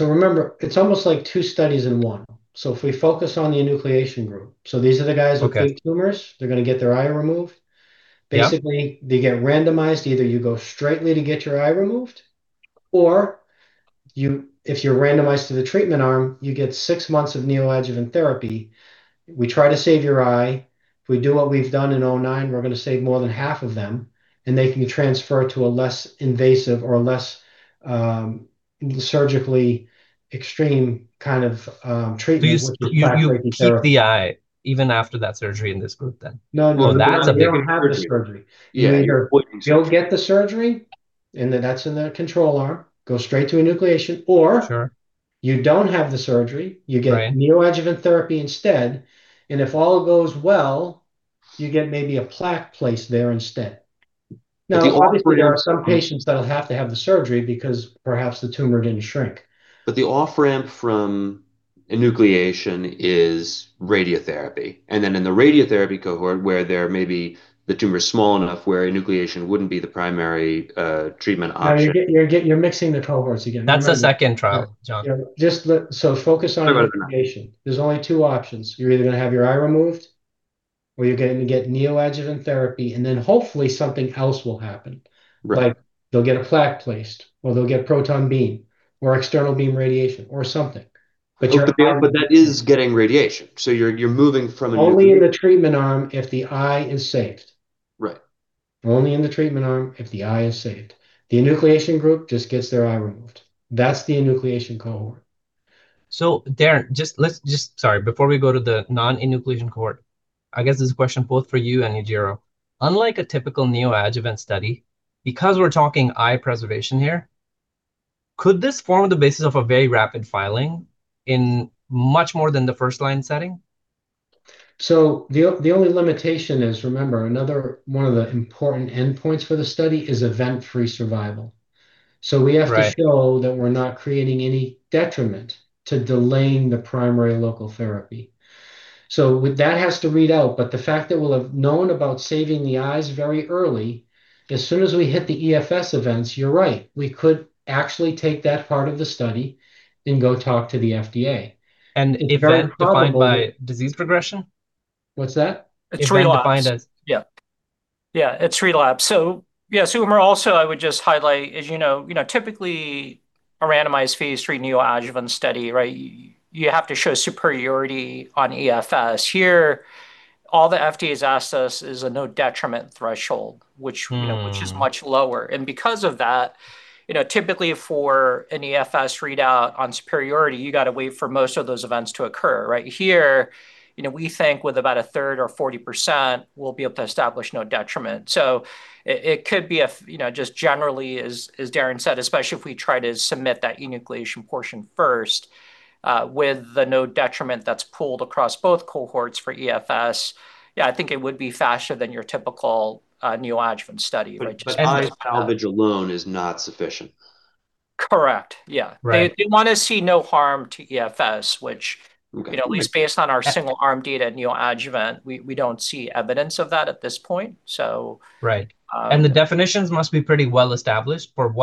Remember, it's almost like 2 studies in one. If we focus on the enucleation group. These are the guys with. Okay big tumors, they're gonna get their eye removed. Yeah. Basically, they get randomized. Either you go straightly to get your eye removed, or you, if you're randomized to the treatment arm, you get 6 months of neoadjuvant therapy. We try to save your eye. If we do what we've done in OptimUM-09, we're gonna save more than half of them, and they can be transferred to a less invasive or a less, surgically extreme kind of, treatment... You. plaque brachytherapy. You keep the eye even after that surgery in this group then? No. Well, that's a big- You don't have the surgery. Yeah. You- Well- You'll get the surgery, and then that's in the control arm, go straight to enucleation, or. Sure... you don't have the surgery- Right... you get neoadjuvant therapy instead, and if all goes well, you get maybe a plaque placed there instead. But the off- Obviously, there are some patients that'll have to have the surgery because perhaps the tumor didn't shrink. The off-ramp from enucleation is radiotherapy, and then in the radiotherapy cohort, where there may be the tumor is small enough, where enucleation wouldn't be the primary treatment option. No, you're mixing the cohorts again. That's the second trial, John. Yeah, just focus on enucleation. Okay. There's only two options: You're either gonna have your eye removed, or you're going to get neoadjuvant therapy, and then hopefully something else will happen. Right. Like, they'll get a plaque placed, or they'll get proton beam, or external beam radiation, or something. You're- That is getting radiation, so you're, you're moving from enucleation- Only in the treatment arm if the eye is saved. Right. Only in the treatment arm if the eye is saved. The enucleation group just gets their eye removed. That's the enucleation cohort. Daro, just let's, just, Sorry, before we go to the non-enucleation cohort, I guess this is a question both for you and Yujiro. Unlike a typical neoadjuvant study, because we're talking eye preservation here, could this form the basis of a very rapid filing in much more than the first line setting? The only limitation is, remember, another one of the important endpoints for the study is Event-Free Survival. Right. We have to show that we're not creating any detriment to delaying the primary local therapy. With that has to read out, but the fact that we'll have known about saving the eyes very early, as soon as we hit the EFS events, you're right, we could actually take that part of the study and go talk to the FDA. Very probably- Event defined by disease progression? What's that? Free loss. Event defined as- Yeah. Yeah, it's relapse. Yeah, Sumer, also I would just highlight, as you know, you know, typically a randomized phase III neoadjuvant study, right? You have to show superiority on EFS. Here, all the FDA's asked us is a no-detriment threshold, which. Mm you know, which is much lower. Because of that, you know, typically for an EFS readout on superiority, you gotta wait for most of those events to occur, right? Here, you know, we think with about a third or 40%, we'll be able to establish no detriment. It could be a, you know, just generally, as, as Darren said, especially if we try to submit that enucleation portion first, with the no detriment that's pooled across both cohorts for EFS, yeah, I think it would be faster than your typical neoadjuvant study, right? salvage alone is not sufficient. Correct. Yeah. Right. They, they wanna see no harm to EFS, which. Okay ... you know, at least based on our single-arm data neoadjuvant, we, we don't see evidence of that at this point, so. Right. Um- The definitions must be pretty well established for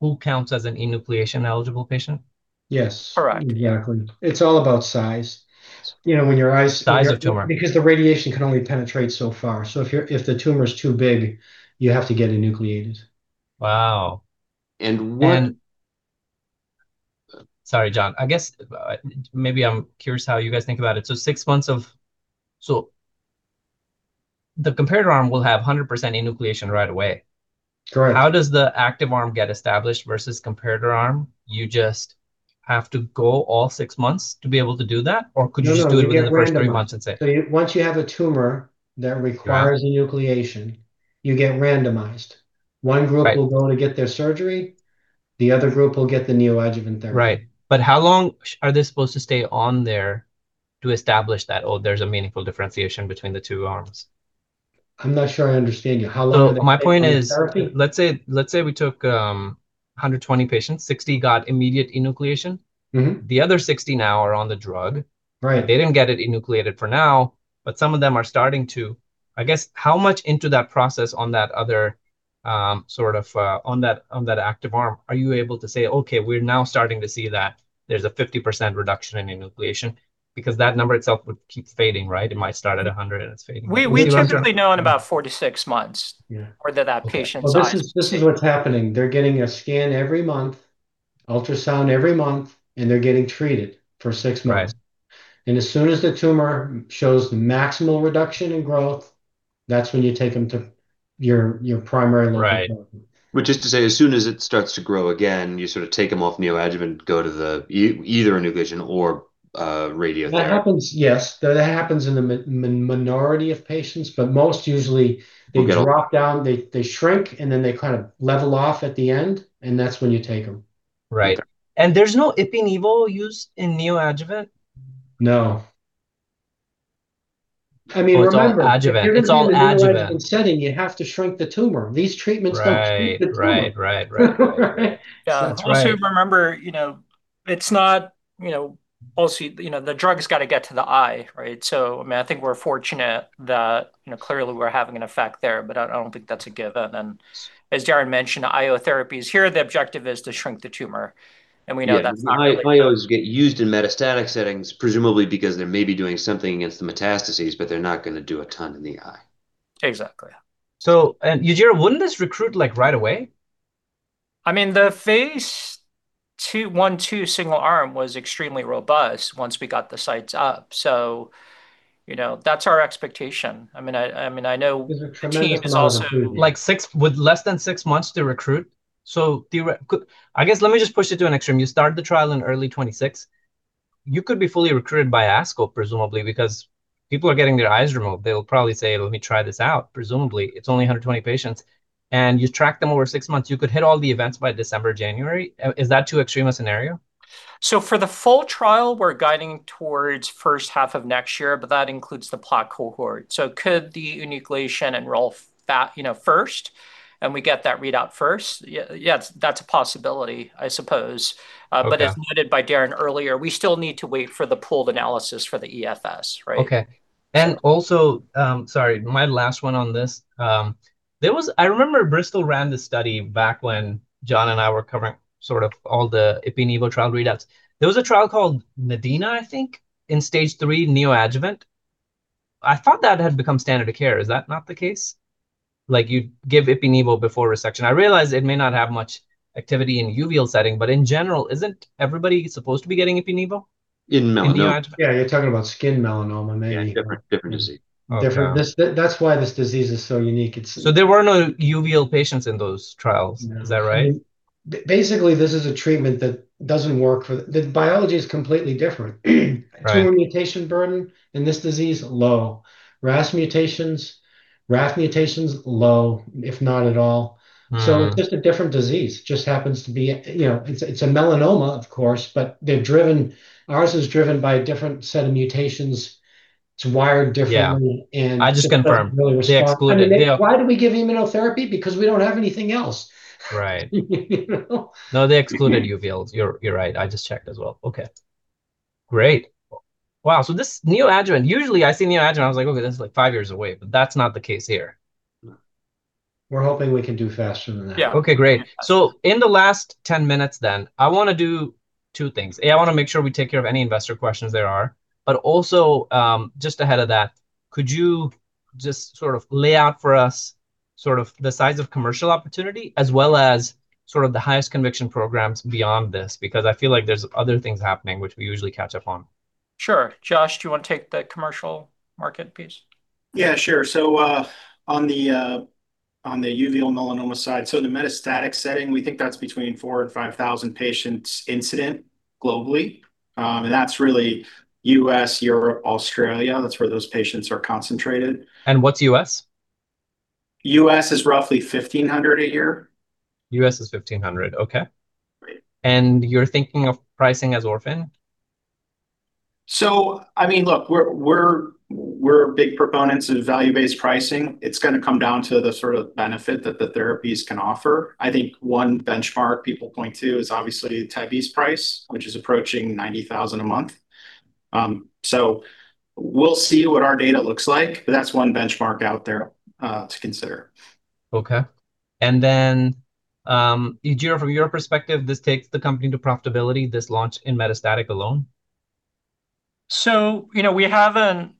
who counts as an enucleation-eligible patient? Yes. Correct. Exactly. It's all about size. You know, when your eyes- Size of tumor.... because the radiation can only penetrate so far, so if the tumor is too big, you have to get enucleated. Wow! And when- Sorry, John. I guess, maybe I'm curious how you guys think about it. Six months of... The comparator arm will have 100% enucleation right away. Correct. How does the active arm get established versus comparator arm? You just have to go all 6 months to be able to do that? Could you just do it... No, no, you get randomized.... within the first 3 months, let's say? once you have a tumor that requires- Right enucleation, you get randomized. Right. One group will go to get their surgery, the other group will get the neoadjuvant therapy. Right. How long are they supposed to stay on there to establish that, oh, there's a meaningful differentiation between the two arms? I'm not sure I understand you. How long are they- My point is. on therapy? Let's say, let's say we took, 120 patients, 60 got immediate enucleation. Mm-hmm. The other 60 now are on the drug. Right. They didn't get it enucleated for now, some of them are starting to. I guess, how much into that process on that other sort of on that, on that active arm, are you able to say, "Okay, we're now starting to see that there's a 50% reduction in enucleation?" That number itself would keep fading, right? It might start at 100 and it's fading. We typically know in about four to six months... Yeah whether that patient dies. Well, this is what's happening. They're getting a scan every month, ultrasound every month, and they're getting treated for six months. Right. As soon as the tumor shows maximal reduction in growth, that's when you take them to your, your primary doctor. Right. Which is to say, as soon as it starts to grow again, you sort of take them off neoadjuvant, go to the either enucleation or radiotherapy. Yes, that happens in a minority of patients. Most usually. Okay... they drop down, they, they shrink, and then they kind of level off at the end, and that's when you take them. Right. there's no ipi/Nivolumab use in neoadjuvant? No. I mean, remember- Oh, it's all adjuvant. It's all adjuvant. if you're gonna do it in a neoadjuvant setting, you have to shrink the tumor. These treatments- Right don't treat the tumor. Right, right, right. That's right. Yeah, also remember, you know, it's not, you know, obviously, you know, the drug has gotta get to the eye, right? I mean, I think we're fortunate that, you know, clearly we're having an effect there, but I, I don't think that's a given. As Darren mentioned, IO therapies, here the objective is to shrink the tumor, and we know that's not. Yeah, IO, IOs get used in metastatic settings, presumably because they may be doing something against the metastases, but they're not gonna do a ton in the eye. Exactly. Yajira, wouldn't this recruit, like, right away? I mean, the phase II, 1, 2 single arm was extremely robust once we got the sites up. You know, that's our expectation. I mean, I know- There's a tremendous amount of scrutiny.... the team is also, like, with less than six months to recruit. I guess, let me just push it to an extreme. You start the trial in early 2026, you could be fully recruited by ASCO, presumably, because people are getting their eyes removed. They'll probably say, "Let me try this out," presumably. It's only 120 patients, and you track them over 6 months. You could hit all the events by December, January. Is that too extreme a scenario? For the full trial, we're guiding towards first half of next year, but that includes the pilot cohort. Could the enucleation enroll you know, first, and we get that readout first? Yeah, yes, that's a possibility, I suppose. But- Okay As noted by Darren earlier, we still need to wait for the pooled analysis for the EFS, right? Okay. Also, sorry, my last one on this. I remember Bristol ran this study back when John and I were covering sort of all the ipi/nivo trial readouts. There was a trial called NADINA, I think, in stage III neoadjuvant. I thought that had become standard of care. Is that not the case? Like, you'd give ipi/nivo before resection. I realize it may not have much activity in uveal setting, but in general, isn't everybody supposed to be getting ipi/nivo? In melanoma. In neoadjuvant. Yeah, you're talking about skin melanoma, maybe. Yeah, different, different disease. Different. Oh, okay. This, that's why this disease is so unique. There were no uveal patients in those trials. No. Is that right? Basically, this is a treatment that doesn't work for... The biology is completely different. Right. Tumor mutation burden in this disease, low. RAS mutations, RAF mutations, low, if not at all. Mm. It's just a different disease. Just happens to be a, you know, it's a, it's a melanoma, of course, but they're driven-- ours is driven by a different set of mutations. It's wired differently. Yeah... I just confirmed- Really respond. they excluded uveal. I mean, why do we give immunotherapy? Because we don't have anything else. Right. You know? No, they excluded uveal. You're, you're right. I just checked as well. Okay. Great. Wow, this neoadjuvant, usually I see neoadjuvant, I was like, "Okay, this is, like, five years away." That's not the case here. No. we're hoping we can do faster than that. Yeah. Okay, great. In the last 10 minutes then, I wanna do two things. A, I wanna make sure we take care of any investor questions there are, but also, just ahead of that, could you just sort of lay out for us sort of the size of commercial opportunity, as well as sort of the highest conviction programs beyond this? Because I feel like there's other things happening, which we usually catch up on. Sure. Josh, do you wanna take the commercial market piece? Yeah, sure. On the uveal melanoma side, so the metastatic setting, we think that's between 4,000 and 5,000 patients incident globally. That's really US, Europe, Australia, that's where those patients are concentrated. What's U.S.? U.S. is roughly 1,500 a year. US is $1,500. Okay. Great. You're thinking of pricing as orphan? I mean, look, we're, we're, we're big proponents of value-based pricing. It's gonna come down to the sort of benefit that the therapies can offer. I think one benchmark people point to is obviously the Tyvaso price, which is approaching $90,000 a month. We'll see what our data looks like, but that's one benchmark out there to consider. Okay. Ajit, from your perspective, this takes the company to profitability, this launch in metastatic alone? You know, we haven't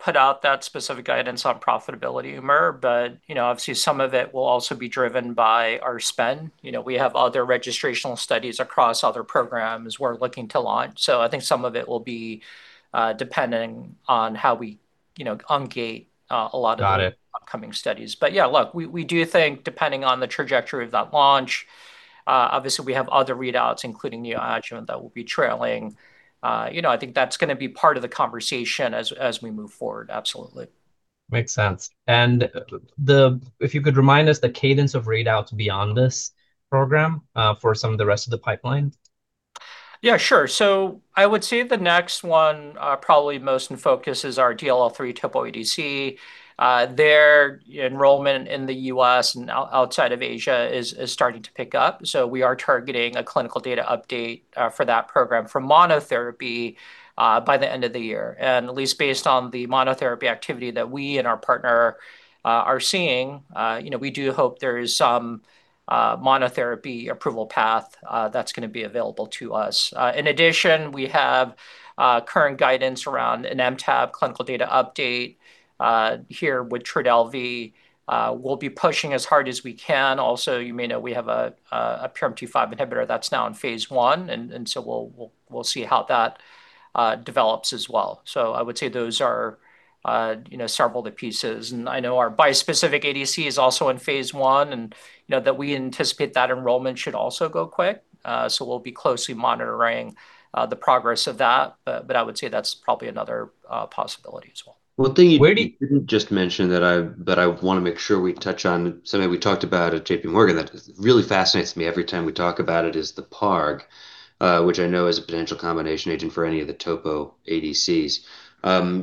put out that specific guidance on profitability, Umar, but, you know, obviously some of it will also be driven by our spend. You know, we have other registrational studies across other programs we're looking to launch. I think some of it will be, depending on how we, you know, ungate. Got it.... upcoming studies. Yeah, look, we, we do think, depending on the trajectory of that launch, obviously, we have other readouts, including neoadjuvant, that will be trailing. You know, I think that's gonna be part of the conversation as, as we move forward. Absolutely. Makes sense. If you could remind us the cadence of readouts beyond this program, for some of the rest of the pipeline. Yeah, sure. I would say the next one, probably most in focus is our DLL3 Topo ADC. Their enrollment in the US and outside of Asia is starting to pick up, so we are targeting a clinical data update for that program, for monotherapy, by the end of the year. At least based on the monotherapy activity that we and our partner are seeing, you know, we do hope there is some monotherapy approval path that's gonna be available to us. In addition, we have current guidance around an MTAP clinical data update here with Trodelvy. We'll be pushing as hard as we can. You may know we have a PRMT5 inhibitor that's now in phase 1, and so we'll, we'll, we'll see how that develops as well. I would say those are, you know, several of the pieces. I know our bispecific ADC is also in phase 1, and, you know, that we anticipate that enrollment should also go quick. We'll be closely monitoring, the progress of that. But I would say that's probably another, possibility as well. One thing. Where do you? You didn't just mention that I, that I wanna make sure we touch on, something we talked about at JP Morgan that really fascinates me every time we talk about it, is the PARP, which I know is a potential combination agent for any of the Topo ADCs.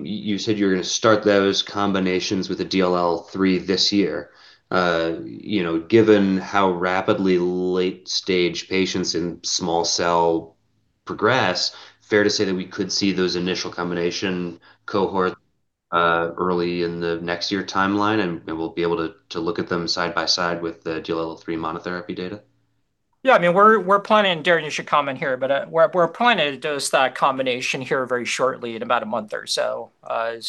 You said you were gonna start those combinations with a DLL3 this year. You know, given how rapidly late-stage patients in small cell progress, fair to say that we could see those initial combination cohort early in the next year timeline, and we'll be able to look at them side by side with the DLL3 monotherapy data? Yeah, I mean, we're, we're planning, and Darren, you should comment here, but, we're, we're planning to dose that combination here very shortly, in about one month or so. I,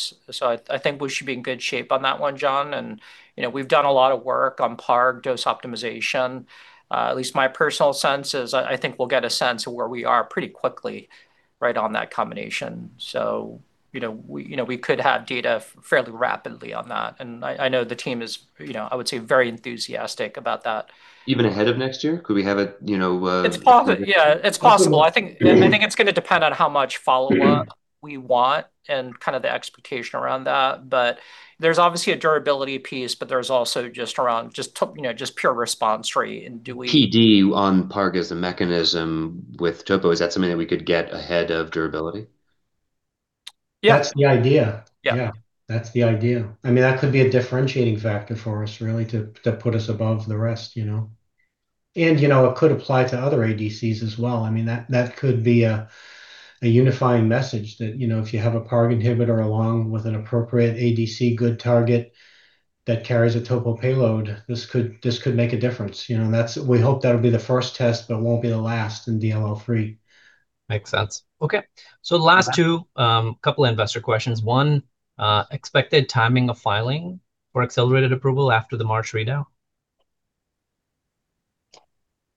I think we should be in good shape on that one, John. You know, we've done a lot of work on PARP dose optimization. At least my personal sense is I, I think we'll get a sense of where we are pretty quickly, right on that combination. You know, we, you know, we could have data fairly rapidly on that, and I, I know the team is, you know, I would say, very enthusiastic about that. Even ahead of next year? Could we have it, you know? It's possible. Yeah, it's possible. Okay. I think, I think it's gonna depend on how much follow-up- Mm-hmm... we want and kind of the expectation around that, but there's obviously a durability piece, but there's also just around, you know, just pure response rate and do we. PD on PARP as the mechanism with topo, is that something that we could get ahead of durability? Yeah. That's the idea. Yeah. Yeah, that's the idea. I mean, that could be a differentiating factor for us, really, to, to put us above the rest, you know? You know, it could apply to other ADCs as well. I mean, that, that could be a, a unifying message that, you know, if you have a PARP inhibitor along with an appropriate ADC, good target that carries a topo payload, this could, this could make a difference. You know, we hope that'll be the first test, but it won't be the last in DLL3. Makes sense. Okay. Yeah. The last 2, couple investor questions. 1, expected timing of filing for accelerated approval after the March readout?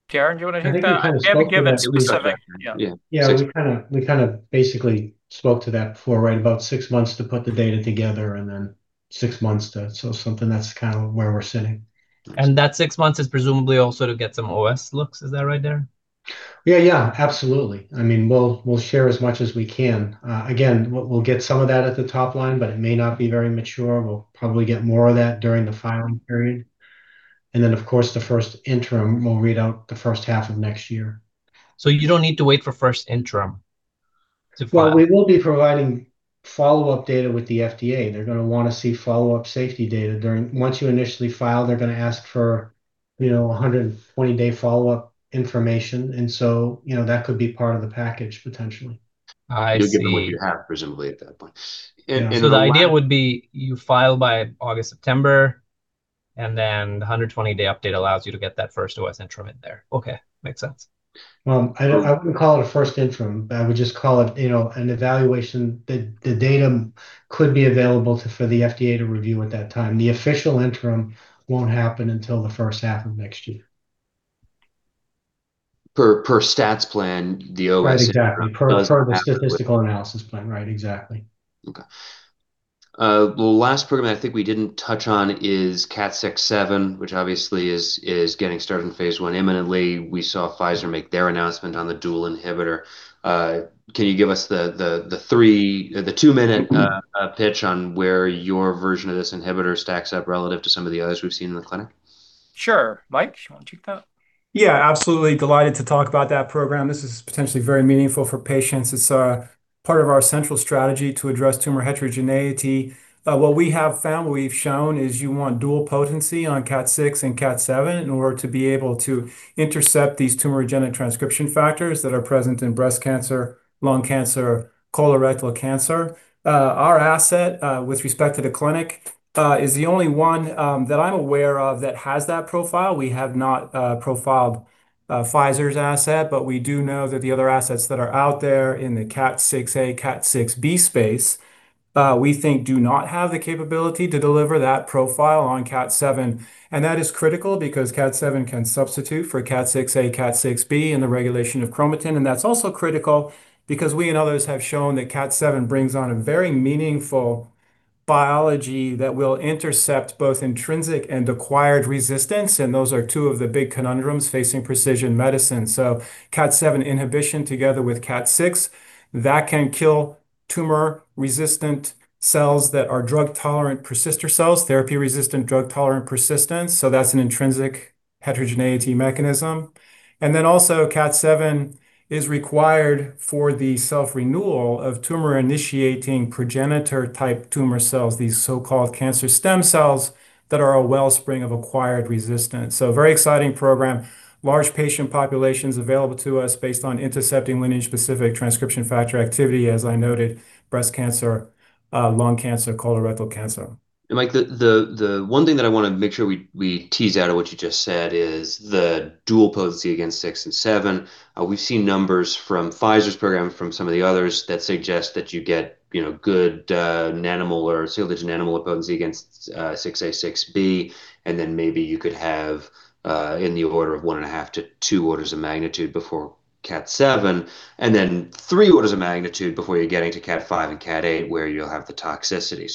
Darrin, do you wanna hit that? I think you kind of spoke to that. I mean, given... Yeah. Yeah. Six- We kinda, we kind of basically spoke to that before, right? About six months to put the data together and then six months to... Something that's kind of where we're sitting. That six months is presumably also to get some OS looks. Is that right, Darrin? Yeah, yeah, absolutely. I mean, we'll, we'll share as much as we can. Again, we'll, we'll get some of that at the top line, but it may not be very mature. We'll probably get more of that during the filing period, and then, of course, the first interim will read out the first half of next year. You don't need to wait for first interim to file? Well, we will be providing follow-up data with the FDA. They're gonna wanna see follow-up safety data during... Once you initially file, they're gonna ask for, you know, 120-day follow-up information, and so, you know, that could be part of the package, potentially.... you'll get what you have, presumably, at that point. The idea would be you file by August, September, and then the 120-day update allows you to get that first OS interim in there. Okay, makes sense. Well, I wouldn't call it a first interim. I would just call it, you know, an evaluation. The datum could be available for the FDA to review at that time. The official interim won't happen until the first half of next year. Per stats plan, the OS- Right, exactly. does happen. Per the statistical analysis plan. Right. Exactly. Okay. The last program I think we didn't touch on is KAT6/7, which obviously is, is getting started in phase I imminently. We saw Pfizer make their announcement on the dual inhibitor. Can you give us the, the, the two-minute-. Mm-hmm... pitch on where your version of this inhibitor stacks up relative to some of the others we've seen in the clinic? Sure. Mike, you wanna take that? Yeah, absolutely delighted to talk about that program. This is potentially very meaningful for patients. It's part of our central strategy to address tumor heterogeneity. What we have found, what we've shown, is you want dual potency on KAT6 and KAT7 in order to be able to intercept these tumorigenic transcription factors that are present in breast cancer, lung cancer, colorectal cancer. Our asset with respect to the clinic is the only one that I'm aware of that has that profile. We have not profiled Pfizer's asset, but we do know that the other assets that are out there in the KAT6A, KAT6B space, we think do not have the capability to deliver that profile on KAT7. That is critical because KAT7 can substitute for KAT6A, KAT6B in the regulation of chromatin, and that's also critical because we and others have shown that KAT7 brings on a very meaningful biology that will intercept both intrinsic and acquired resistance, and those are two of the big conundrums facing precision medicine. KAT7 inhibition together with KAT6, that can kill tumor-resistant cells that are drug-tolerant persister cells, therapy-resistant, drug-tolerant persistence, so that's an intrinsic heterogeneity mechanism. Then also, KAT7 is required for the self-renewal of tumor-initiating progenitor-type tumor cells, these so-called cancer stem cells that are a wellspring of acquired resistance. Very exciting program. Large patient population's available to us based on intercepting lineage-specific transcription factor activity, as I noted, breast cancer, lung cancer, colorectal cancer. Mick White, the one thing that I wanna make sure we, we tease out of what you just said is the dual potency against KAT6 and KAT7. We've seen numbers from Pfizer's program, from some of the others, that suggest that you get, you know, good, nanomolar or sub-nanomolar potency against KAT6A, KAT6B, and then maybe you could have, in the order of 1.5-2 orders of magnitude before KAT7, and then three orders of magnitude before you're getting to KAT5 and KAT8, where you'll have the toxicity.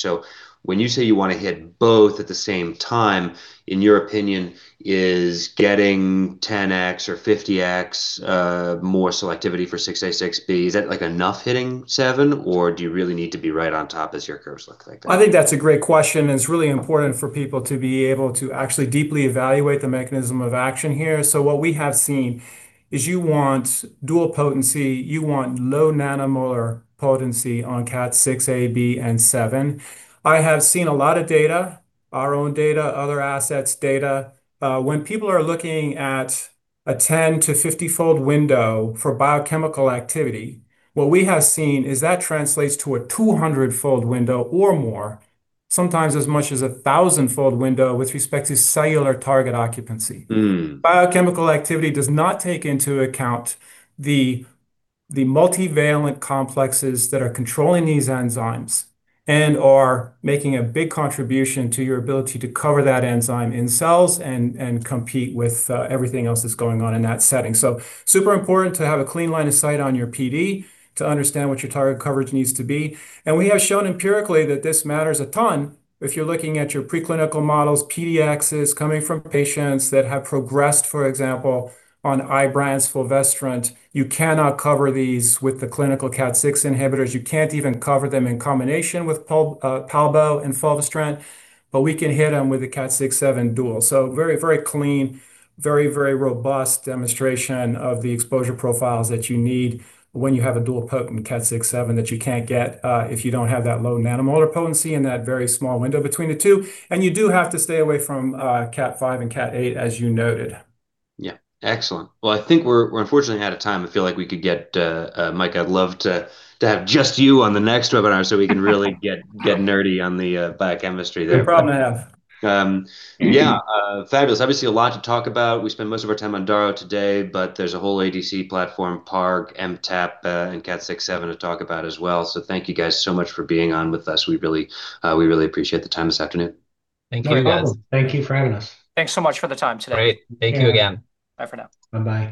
When you say you wanna hit both at the same time, in your opinion, is getting 10x or 50x more selectivity for KAT6A, KAT6B, is that, like, enough hitting KAT7, or do you really need to be right on top as your curves look like that? I think that's a great question, and it's really important for people to be able to actually deeply evaluate the mechanism of action here. What we have seen is you want dual potency, you want low nanomolar potency on KAT6 A, B, and KAT7. I have seen a lot of data, our own data, other assets' data. When people are looking at a 10-50-fold window for biochemical activity, what we have seen is that translates to a 200-fold window or more, sometimes as much as a 1,000-fold window with respect to cellular target occupancy. Mm. Biochemical activity does not take into account the multivalent complexes that are controlling these enzymes and are making a big contribution to your ability to cover that enzyme in cells and compete with everything else that's going on in that setting. Super important to have a clean line of sight on your PD, to understand what your target coverage needs to be. We have shown empirically that this matters a ton. If you're looking at your preclinical models, PDX coming from patients that have progressed, for example, on Ibrance fulvestrant, you cannot cover these with the clinical KAT6 inhibitors. You can't even cover them in combination with palbociclib and fulvestrant, we can hit them with the KAT6/7 dual. Very, very clean, very, very robust demonstration of the exposure profiles that you need when you have a dual-potent KAT6/7 that you can't get, if you don't have that low nanomolar potency and that very small window between the two. You do have to stay away from, KAT5 and KAT8, as you noted. Yeah. Excellent. Well, I think we're, we're unfortunately out of time. I feel like we could get Mike, I'd love to have just you on the next webinar, so we can really get nerdy on the biochemistry there. No problem to have. Yeah. Mm-hmm. Fabulous. Obviously, a lot to talk about. We spent most of our time on daro today, but there's a whole ADC platform, PARP, MTAP, and KAT6/7 to talk about as well. Thank you guys so much for being on with us. We really, we really appreciate the time this afternoon. Thank you, guys. No problem. Thank you for having us. Thanks so much for the time today. Great. Thank you again. Bye for now. Bye-bye.